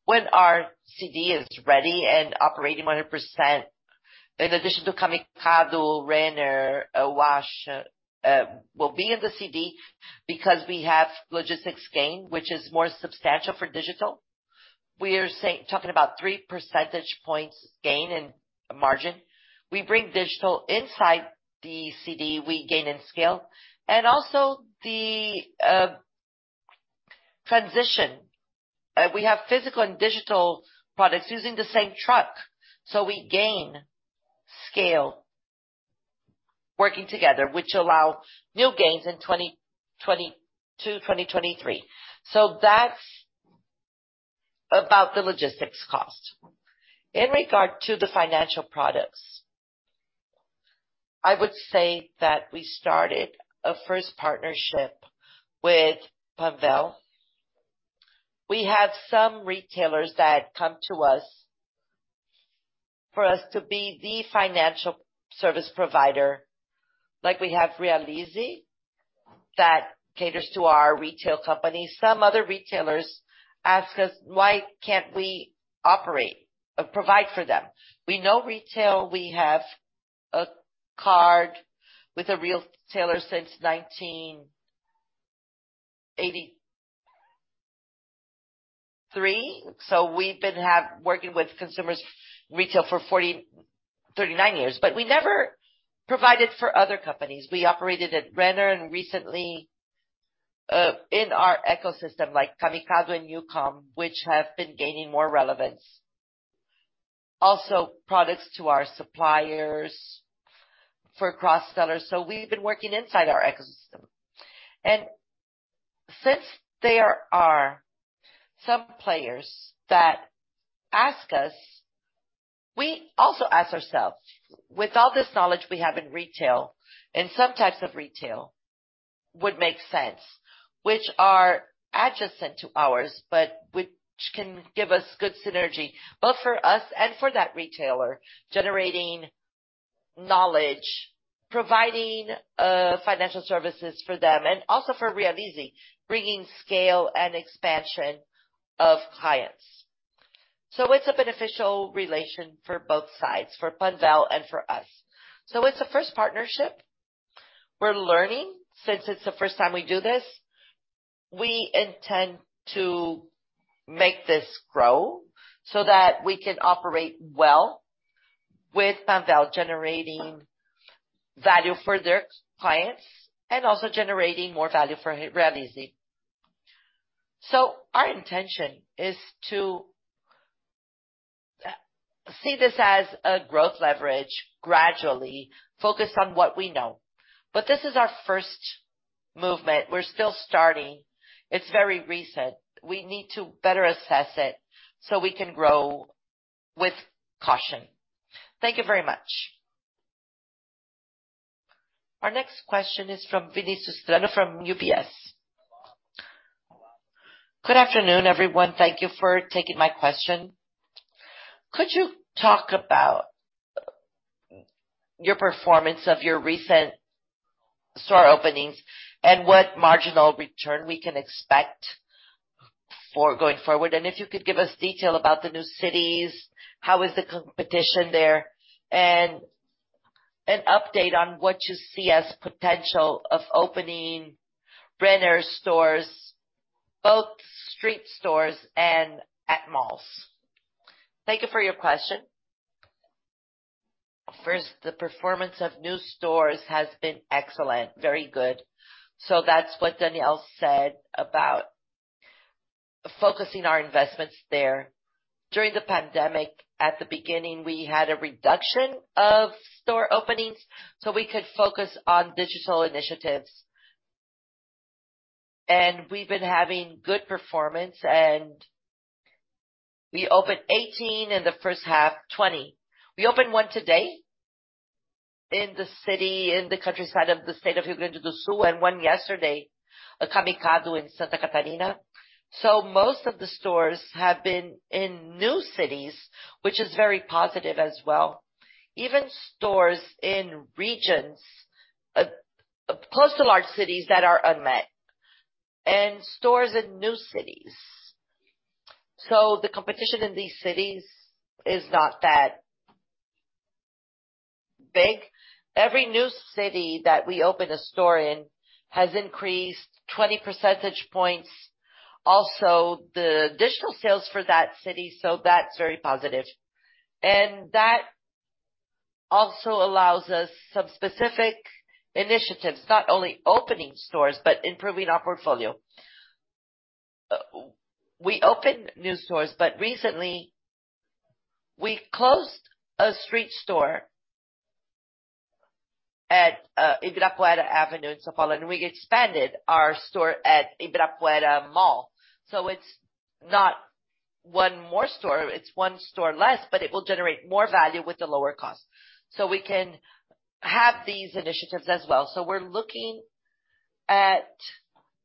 When our CD is ready and operating 100%, in addition to Camicado, Renner, Wash, will be in the CD because we have logistics gain, which is more substantial for digital. We are talking about 3% points gain in margin. We bring digital inside the CD, we gain in scale. The transition. We have physical and digital products using the same truck, so we gain scale working together, which allow new gains in 2022, 2023. That's about the logistics cost. In regard to the financial products, I would say that we started a first partnership with Banval. We have some retailers that come to us for us to be the financial service provider, like we have Realize that caters to our retail company. Some other retailers ask us, why can't we operate or provide for them. We know retail. We have a card with Realize since 1983. We've been working with consumer retail for 39 years, but we never provided to other companies. We operated in Renner and recently in our ecosystem like Camicado and Youcom, which have been gaining more relevance. Also products to our suppliers for cross-selling. We've been working inside our ecosystem. Since there are some players that ask us, we also ask ourselves, with all this knowledge we have in retail, and some types of retail would make sense, which are adjacent to ours, but which can give us good synergy, both for us and for that retailer, generating knowledge, providing financial services for them and also for Realize, bringing scale and expansion of clients. It's a beneficial relation for both sides, for Banval and for us. It's a first partnership. We're learning since it's the first time we do this. We intend to make this grow so that we can operate well with Banval, generating value for their clients and also generating more value for Realize. Our intention is to see this as a growth leverage, gradually focus on what we know. This is our first movement. We're still starting. It's very recent. We need to better assess it so we can grow with caution. Thank you very much. Our next question is from Vinicius Strano from UBS. Good afternoon, everyone. Thank you for taking my question. Could you talk about your performance of your recent store openings and what marginal return we can expect for going forward? And if you could give us detail about the new cities, how is the competition there? An update on what you see as potential of opening Renner stores, both street stores and at malls. Thank you for your question. First, the performance of new stores has been excellent. Very good. That's what Daniel said about focusing our investments there. During the pandemic, at the beginning, we had a reduction of store openings, so we could focus on digital initiatives. We've been having good performance, and we opened 18 in the H1, 20. We opened 1 today in the city, in the countryside of the state of Rio Grande do Sul, and 1 yesterday, a Camicado in Santa Catarina. Most of the stores have been in new cities, which is very positive as well. Even stores in regions, close to large cities that are unmet and stores in new cities. The competition in these cities is not that big. Every new city that we open a store in has increased 20% points. Also, the digital sales for that city, so that's very positive. That also allows us some specific initiatives, not only opening stores, but improving our portfolio. We opened new stores, but recently we closed a street store at Ibirapuera Avenue in São Paulo, and we expanded our store at Ibirapuera Mall. It's not 1 more store, it's 1 store less, but it will generate more value with the lower cost. We can have these initiatives as well. We're looking at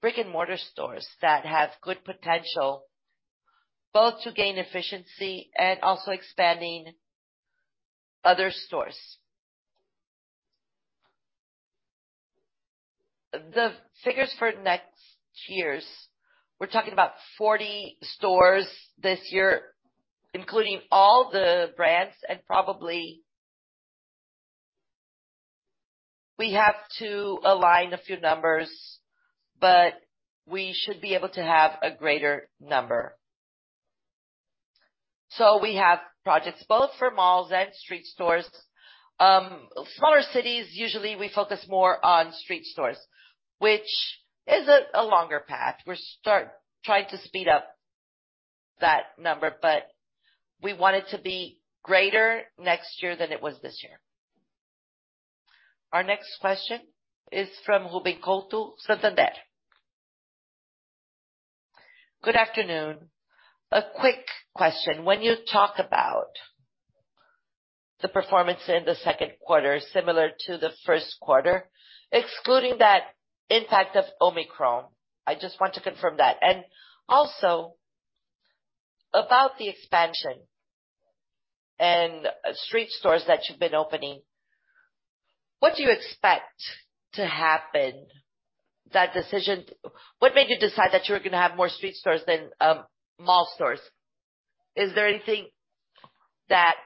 brick-and-mortar stores that have good potential, both to gain efficiency and also expanding other stores. The figures for next year's, we're talking about 40 stores this year, including all the brands, and probably we have to align a few numbers, but we should be able to have a greater number. We have projects both for malls and street stores. Smaller cities, usually we focus more on street stores, which is a longer path. We're trying to speed up that number, but we want it to be greater next year than it was this year. Our next question is from Ruben Couto, Santander. Good afternoon. A quick question. When you talk about the performance in the Q2, similar to the Q1, excluding that impact of Omicron, I just want to confirm that. Also about the expansion and street stores that you've been opening, what do you expect to happen? What made you decide that you were gonna have more street stores than mall stores? Is there anything that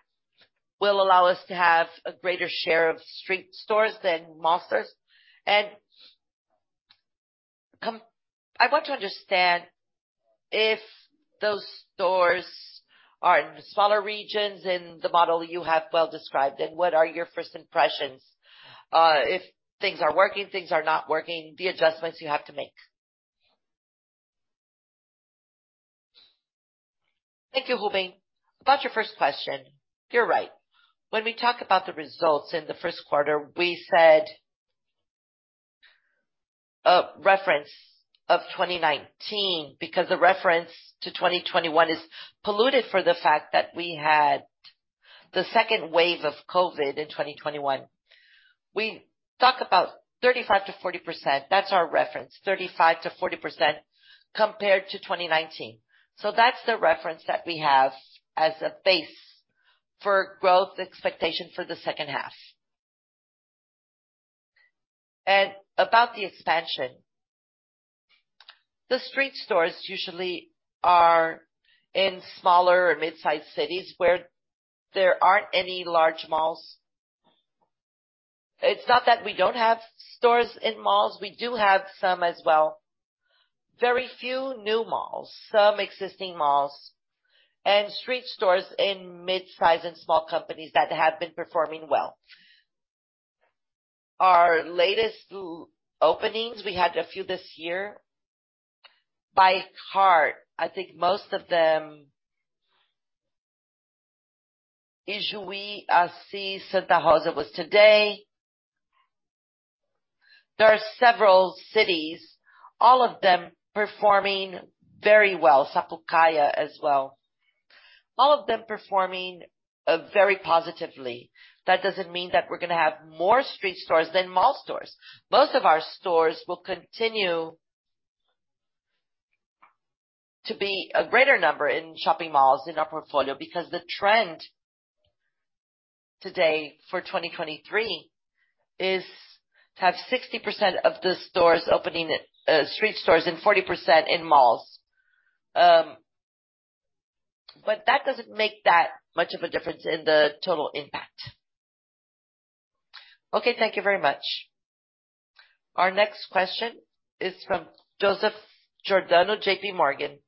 will allow us to have a greater share of street stores than mall stores? I want to understand if those stores are in smaller regions in the model you have well described, and what are your first impressions, if things are working, things are not working, the adjustments you have to make. Thank you, Rube. About your first question. You're right. When we talk about the results in the Q1, we said reference of 2019 because the reference to 2021 is polluted for the fact that we had the second wave of COVID in 2021. We talk about 35% to 40%. That's our reference, 35% to 40% compared to 2019. That's the reference that we have as a base for growth expectation for the H2. About the expansion. The street stores usually are in smaller or mid-sized cities where there aren't any large malls. It's not that we don't have stores in malls. We do have some as well. Very few new malls, some existing malls and street stores in mid-size and small cities that have been performing well. Our latest openings, we had a few this year. By heart, I think most of them were today. There are several cities, all of them performing very well. Sapucaia as well. All of them performing very positively. That doesn't mean that we're gonna have more street stores than mall stores. Most of our stores will continue to be a greater number in shopping malls in our portfolio because the trend today for 2023 is to have 60% of the stores opening as street stores and 40% in malls. That doesn't make that much of a difference in the total impact. Okay. Thank you very much. Our next question is from Joseph Giordano, JP Morgan.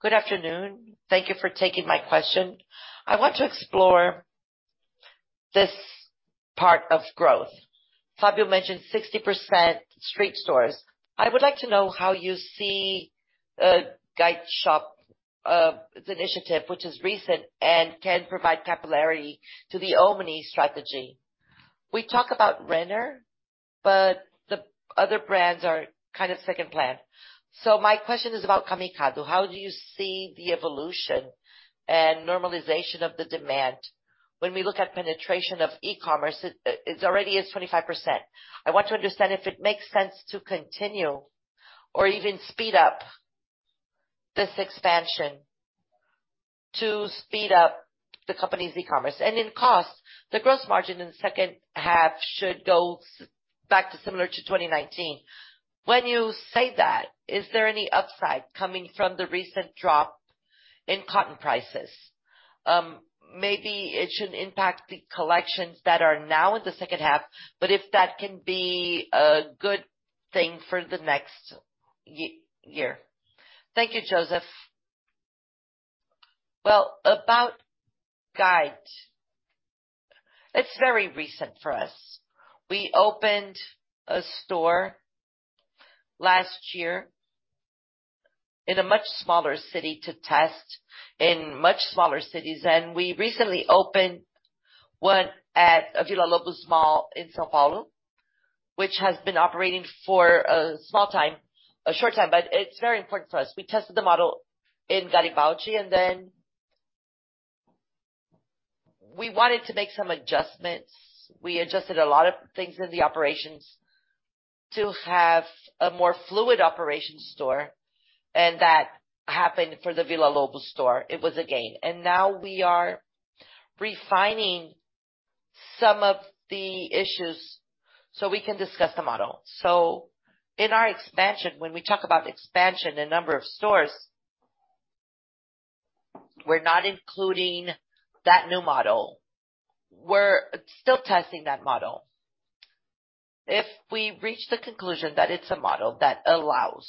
Good afternoon. Thank you for taking my question. I want to explore this part of growth. Fabio mentioned 60% street stores. I would like to know how you see a guide shop initiative, which is recent and can provide capillarity to the omni strategy. We talk about Renner, but the other brands are kind of second plan. My question is about Camicado. How do you see the evolution and normalization of the demand? When we look at penetration of e-commerce, it already is 25%. I want to understand if it makes sense to continue or even speed up this expansion to speed up the company's e-commerce. In cost, the gross margin in the H2 should go back to similar to 2019. When you say that, is there any upside coming from the recent drop in cotton prices? Maybe it shouldn't impact the collections that are now in the H2, but if that can be a good thing for the next year. Thank you, Joseph. Well, about guide shop. It's very recent for us. We opened a store last year in a much smaller city to test in much smaller cities. We recently opened 1 at Villa Lobos Mall in São Paulo, which has been operating for a small time, a short time, but it's very important for us. We tested the model in Garibaldi, and then we wanted to make some adjustments. We adjusted a lot of things in the operations to have a more fluid operation store, and that happened for the Villa Lobos store. It was a gain. Now we are refining some of the issues so we can discuss the model. In our expansion, when we talk about expansion, the number of stores, we're not including that new model. We're still testing that model. If we reach the conclusion that it's a model that allows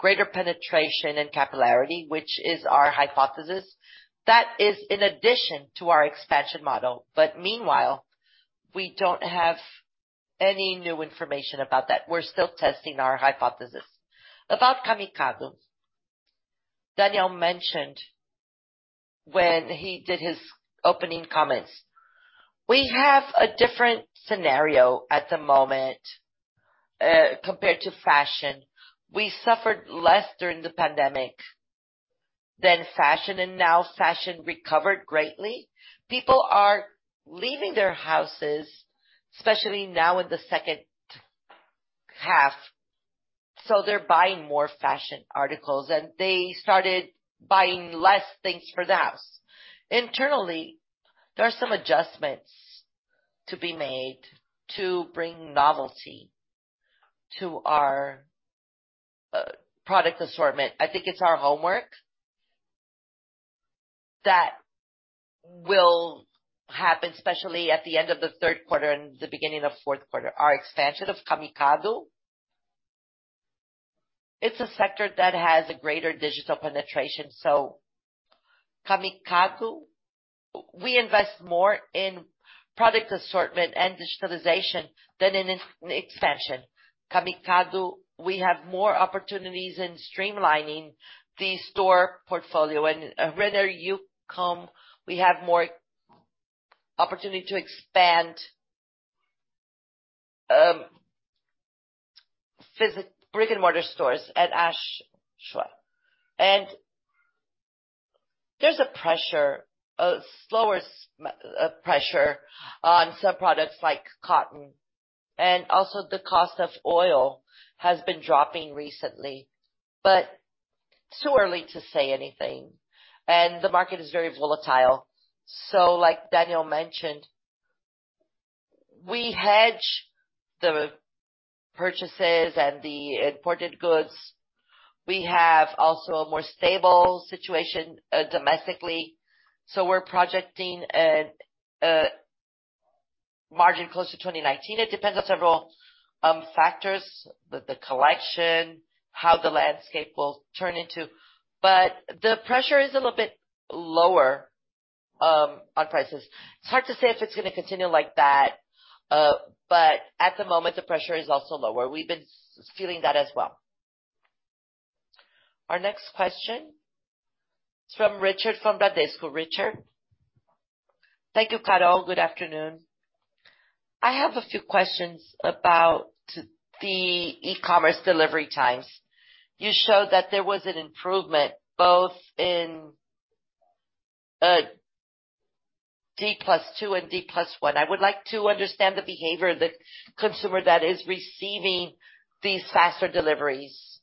greater penetration and capillarity, which is our hypothesis, that is in addition to our expansion model. Meanwhile, we don't have any new information about that. We're still testing our hypothesis. About Camicado. Daniel Santos mentioned when he did his opening comments. We have a different scenario at the moment, compared to fashion. We suffered less during the pandemic than fashion, and now fashion recovered greatly. People are leaving their houses, especially now in the H2, so they're buying more fashion articles, and they started buying less things for the house. Internally, there are some adjustments to be made to bring novelty to our product assortment. I think it's our homework. That will happen especially at the end of the Q3 and the beginning of Q4. Our expansion of Camicado, it's a sector that has a greater digital penetration. Camicado, we invest more in product assortment and digitalization than in expansion. Camicado, we have more opportunities in streamlining the store portfolio. Renner e-com, we have more opportunity to expand brick-and-mortar stores at Ashua. There's a slower pressure on some products like cotton. Also the cost of oil has been dropping recently. Too early to say anything, and the market is very volatile. Like Daniel mentioned, we hedge the purchases and the imported goods. We have also a more stable situation domestically, so we're projecting a margin close to 2019. It depends on several factors, the collection, how the landscape will turn into. The pressure is a little bit lower on prices. It's hard to say if it's gonna continue like that, but at the moment, the pressure is also lower. We've been feeling that as well. Our next question is from Richard from Bradesco. Richard. Thank you, Carol. Good afternoon. I have a few questions about the e-commerce delivery times. You showed that there was an improvement both in D+2 and D+1. I would like to understand the behavior of the consumer that is receiving these faster deliveries.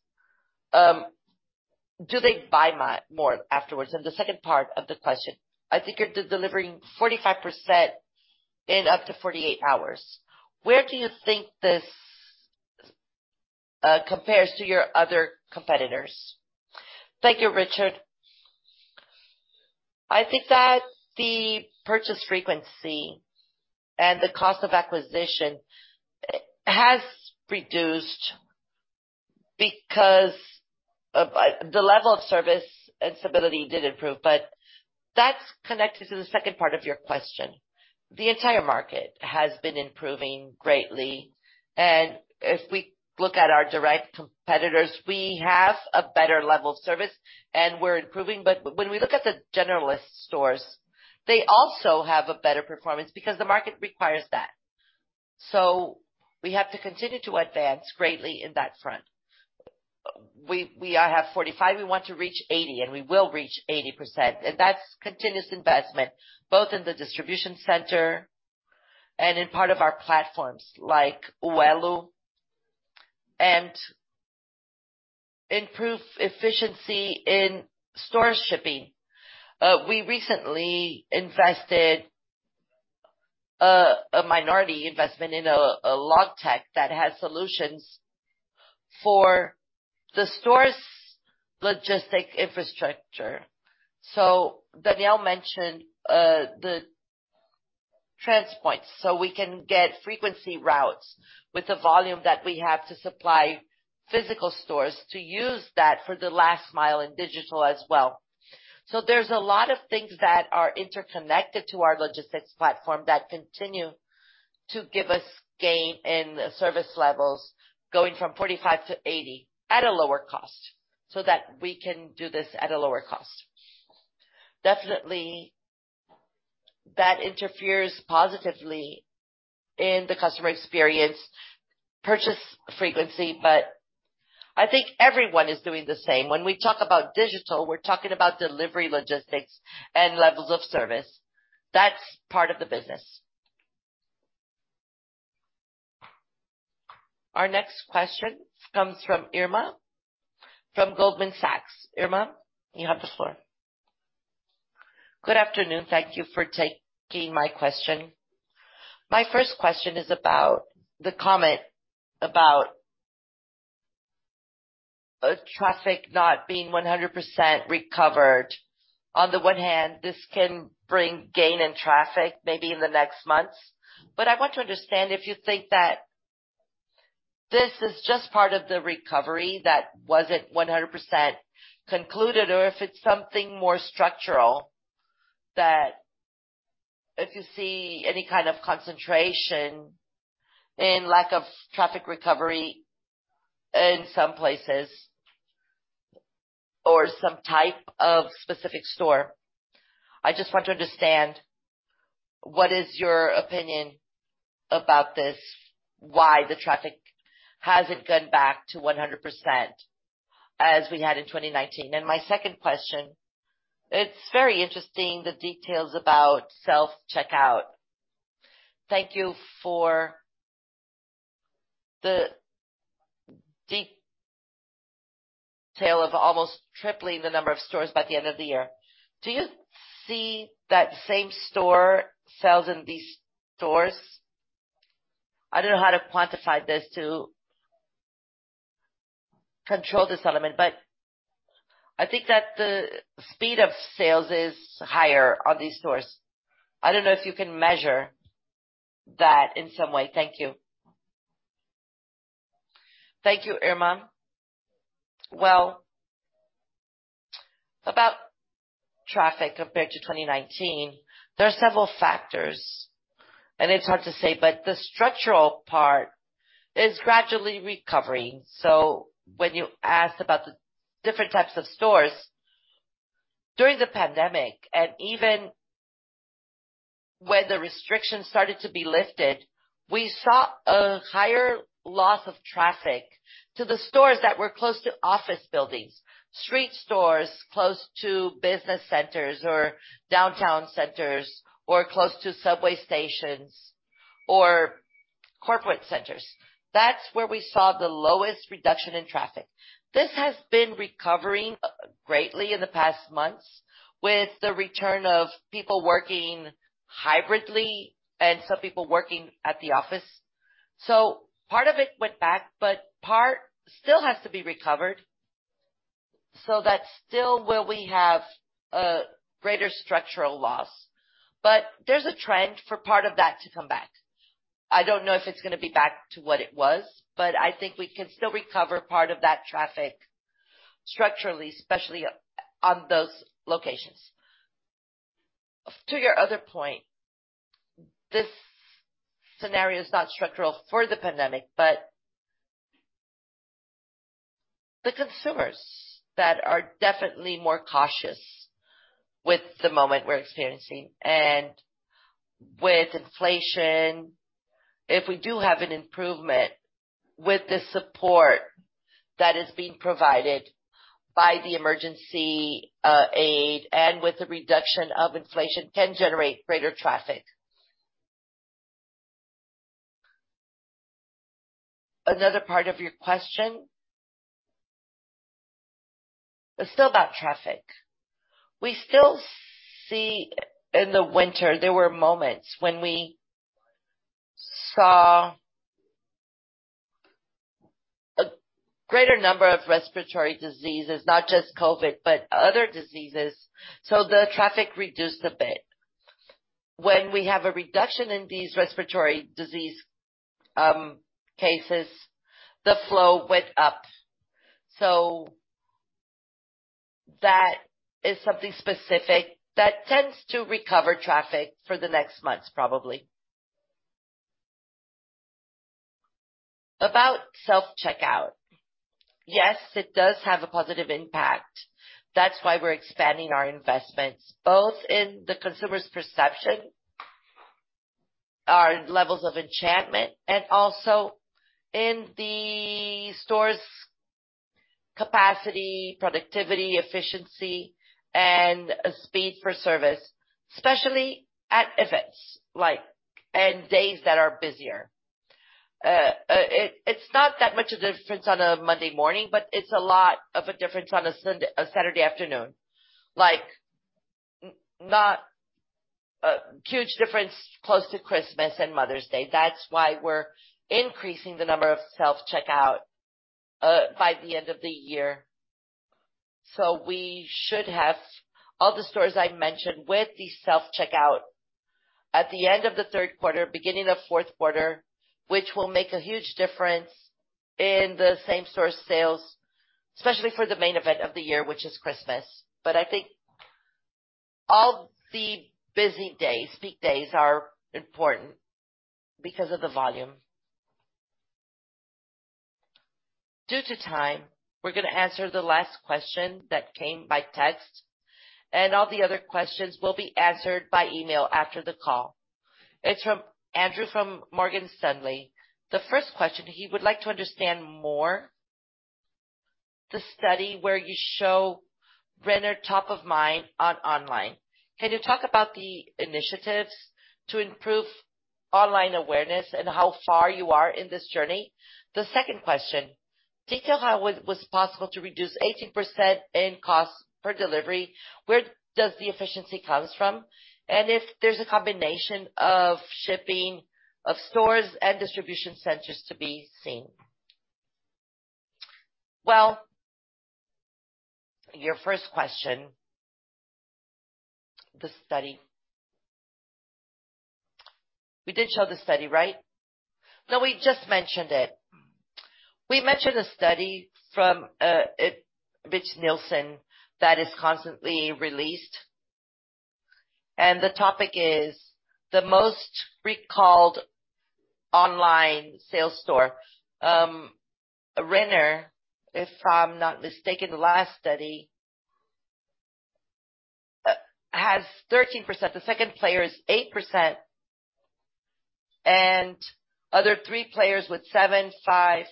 Do they buy more afterwards? The second part of the question: I think you're delivering 45% in up to 48 hours. Where do you think this compares to your other competitors? Thank you, Richard. I think that the purchase frequency and the cost of acquisition has reduced because the level of service and stability did improve, but that's connected to the second part of your question. The entire market has been improving greatly, and if we look at our direct competitors, we have a better level of service, and we're improving. When we look at the generalist stores, they also have a better performance because the market requires that. We have to continue to advance greatly in that front. We have 45%, we want to reach 80%, and we will reach 80%. That's continuous investment, both in the distribution center and in part of our platforms like Uello and improve efficiency in store shipping. We recently invested a minority investment in a logtech that has solutions for the store's logistics infrastructure. Daniel mentioned the transfer points. We can get frequency routes with the volume that we have to supply physical stores to use that for the last mile in digital as well. There's a lot of things that are interconnected to our logistics platform that continue to give us gain in the service levels, going from 45% to 80% at a lower cost, so that we can do this at a lower cost. Definitely, that interferes positively in the customer experience purchase frequency, but I think everyone is doing the same. When we talk about digital, we're talking about delivery logistics and levels of service. That's part of the business. Our next question comes from Irma from Goldman Sachs. Irma, you have the floor. Good afternoon. Thank you for taking my question. My first question is about the comment about traffic not being 100% recovered. On the one hand, this can bring gain in traffic maybe in the next months. I want to understand if you think that this is just part of the recovery that wasn't 100% concluded, or if it's something more structural that if you see any kind of concentration in lack of traffic recovery in some places or some type of specific store. I just want to understand what is your opinion about this, why the traffic hasn't gone back to 100% as we had in 2019. My second question, it's very interesting the details about self-checkout. Thank you for the detail of almost tripling the number of stores by the end of the year. Do you see that same store sales in these stores? I don't know how to quantify this to control this element, but I think that the speed of sales is higher on these stores. I don't know if you can measure that in some way. Thank you. Thank you, Irma. Well, about traffic compared to 2019, there are several factors, and it's hard to say, but the structural part is gradually recovering. When you ask about the different types of stores, during the pandemic, and even when the restrictions started to be lifted, we saw a higher loss of traffic to the stores that were close to office buildings, street stores close to business centers or downtown centers, or close to subway stations or corporate centers. That's where we saw the lowest reduction in traffic. This has been recovering greatly in the past months with the return of people working hybridly and some people working at the office. Part of it went back, but part still has to be recovered. That's still where we have a greater structural loss. There's a trend for part of that to come back. I don't know if it's gonna be back to what it was, but I think we can still recover part of that traffic structurally, especially on those locations. To your other point, this scenario is not structural for the pandemic, but the consumers that are definitely more cautious with the moment we're experiencing and with inflation. If we do have an improvement with the support that is being provided by the emergency aid and with the reduction of inflation, it can generate greater traffic. Another part of your question. It's still about traffic. We still see in the winter, there were moments when we saw a greater number of respiratory diseases, not just COVID, but other diseases, so the traffic reduced a bit. When we have a reduction in these respiratory disease cases, the flow went up. That is something specific that tends to recover traffic for the next months, probably. About self-checkout. Yes, it does have a positive impact. That's why we're expanding our investments, both in the consumer's perception, our levels of enchantment, and also in the stores' capacity, productivity, efficiency, and speed for service, especially at events like days that are busier. It's not that much of a difference on a Monday morning, but it's a lot of a difference on a Saturday afternoon. Like, not a huge difference close to Christmas and Mother's Day. That's why we're increasing the number of self-checkout by the end of the year. We should have all the stores I mentioned with the self-checkout at the end of the Q3, beginning of Q4, which will make a huge difference in the same store sales, especially for the main event of the year, which is Christmas. I think all the busy days, peak days, are important because of the volume. Due to time, we're gonna answer the last question that came by text, and all the other questions will be answered by email after the call. It's from Andrew from Morgan Stanley. The first question, he would like to understand more the study where you show Renner top of mind online. Can you talk about the initiatives to improve online awareness and how far you are in this journey? The second question, detail how it was possible to reduce 18% in cost per delivery. Where does the efficiency comes from? And if there's a combination of shipping of stores and distribution centers to be seen. Well, your first question, the study. We did show the study, right? No, we just mentioned it. We mentioned a study from NielsenIQ that is constantly released, and the topic is the most recalled online sales store. Renner, if I'm not mistaken, the last study has 13%. The second player is 8%, and other 3 players with 7%, 5%.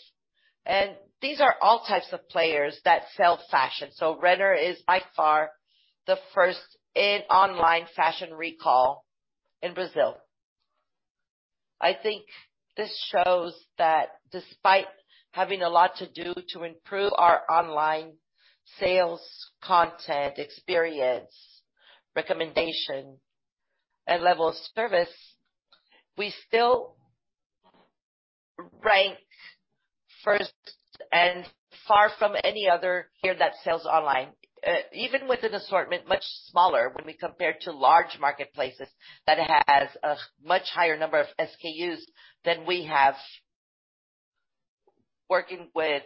These are all types of players that sell fashion. Renner is by far the first in online fashion recall in Brazil. I think this shows that despite having a lot to do to improve our online sales content, experience, recommendation and level of service, we still rank first and far from any other here that sells online, even with an assortment much smaller when we compare to large marketplaces that has a much higher number of SKUs than we have working with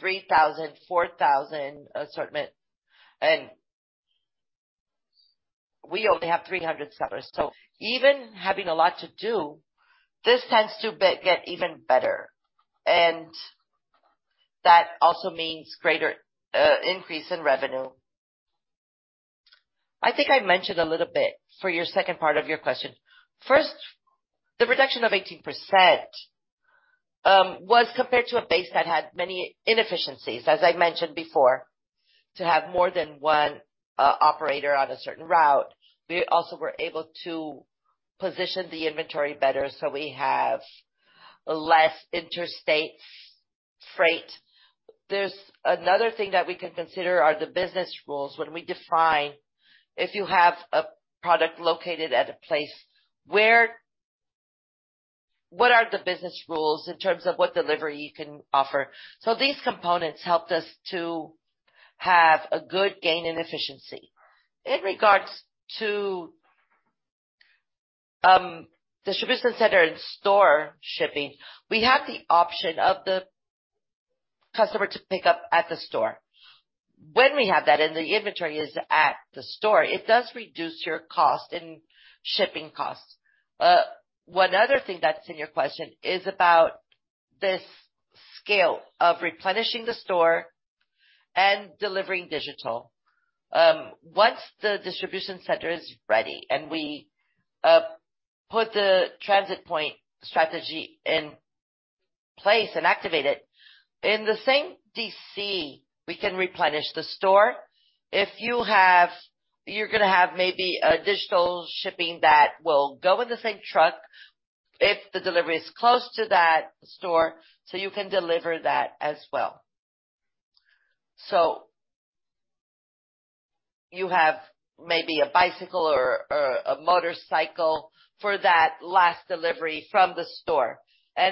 3,000 to 4,000 assortment. We only have 300 sellers. Even having a lot to do, this tends to get even better, and that also means greater increase in revenue. I think I mentioned a little bit for your second part of your question. First, the reduction of 18%, was compared to a base that had many inefficiencies. As I mentioned before, to have more than 1 operator on a certain route. We also were able to position the inventory better, so we have less interstate freight. There's another thing that we can consider are the business rules. When we define if you have a product located at a place, where what are the business rules in terms of what delivery you can offer? These components helped us to have a good gain in efficiency. In regards to distribution center and store shipping, we have the option of the customer to pick up at the store. When we have that and the inventory is at the store, it does reduce your cost and shipping costs. One other thing that's in your question is about this scale of replenishing the store and delivering digital. Once the distribution center is ready and we put the transit point strategy in place and activate it, in the same DC, we can replenish the store. You're gonna have maybe a digital shipping that will go in the same truck if the delivery is close to that store, so you can deliver that as well. You have maybe a bicycle or a motorcycle for that last delivery from the store.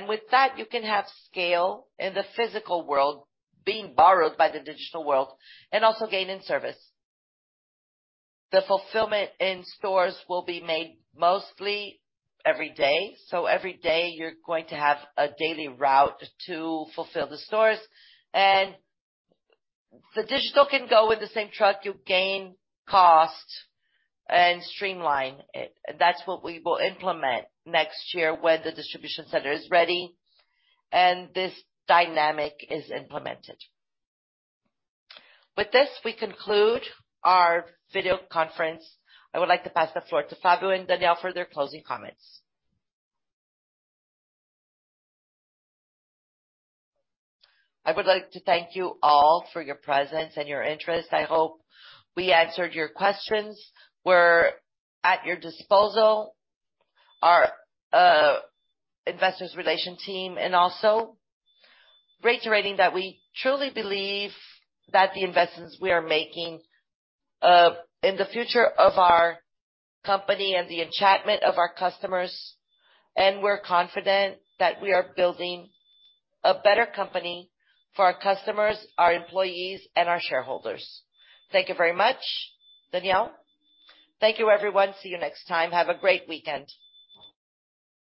With that, you can have scale in the physical world being borrowed by the digital world and also gain in service. The fulfillment in stores will be made mostly every day. Every day you're going to have a daily route to fulfill the stores. The digital can go in the same truck. You gain cost and streamline it. That's what we will implement next year when the distribution center is ready and this dynamic is implemented. With this, we conclude our video conference. I would like to pass the floor to Fabio and Daniel for their closing comments. I would like to thank you all for your presence and your interest. I hope we answered your questions. We're at your disposal, our investor relations team, and also reiterating that we truly believe that the investments we are making in the future of our company and the enchantment of our customers, and we're confident that we are building a better company for our customers, our employees and our shareholders. Thank you very much. Daniel. Thank you, everyone. See you next time. Have a great weekend.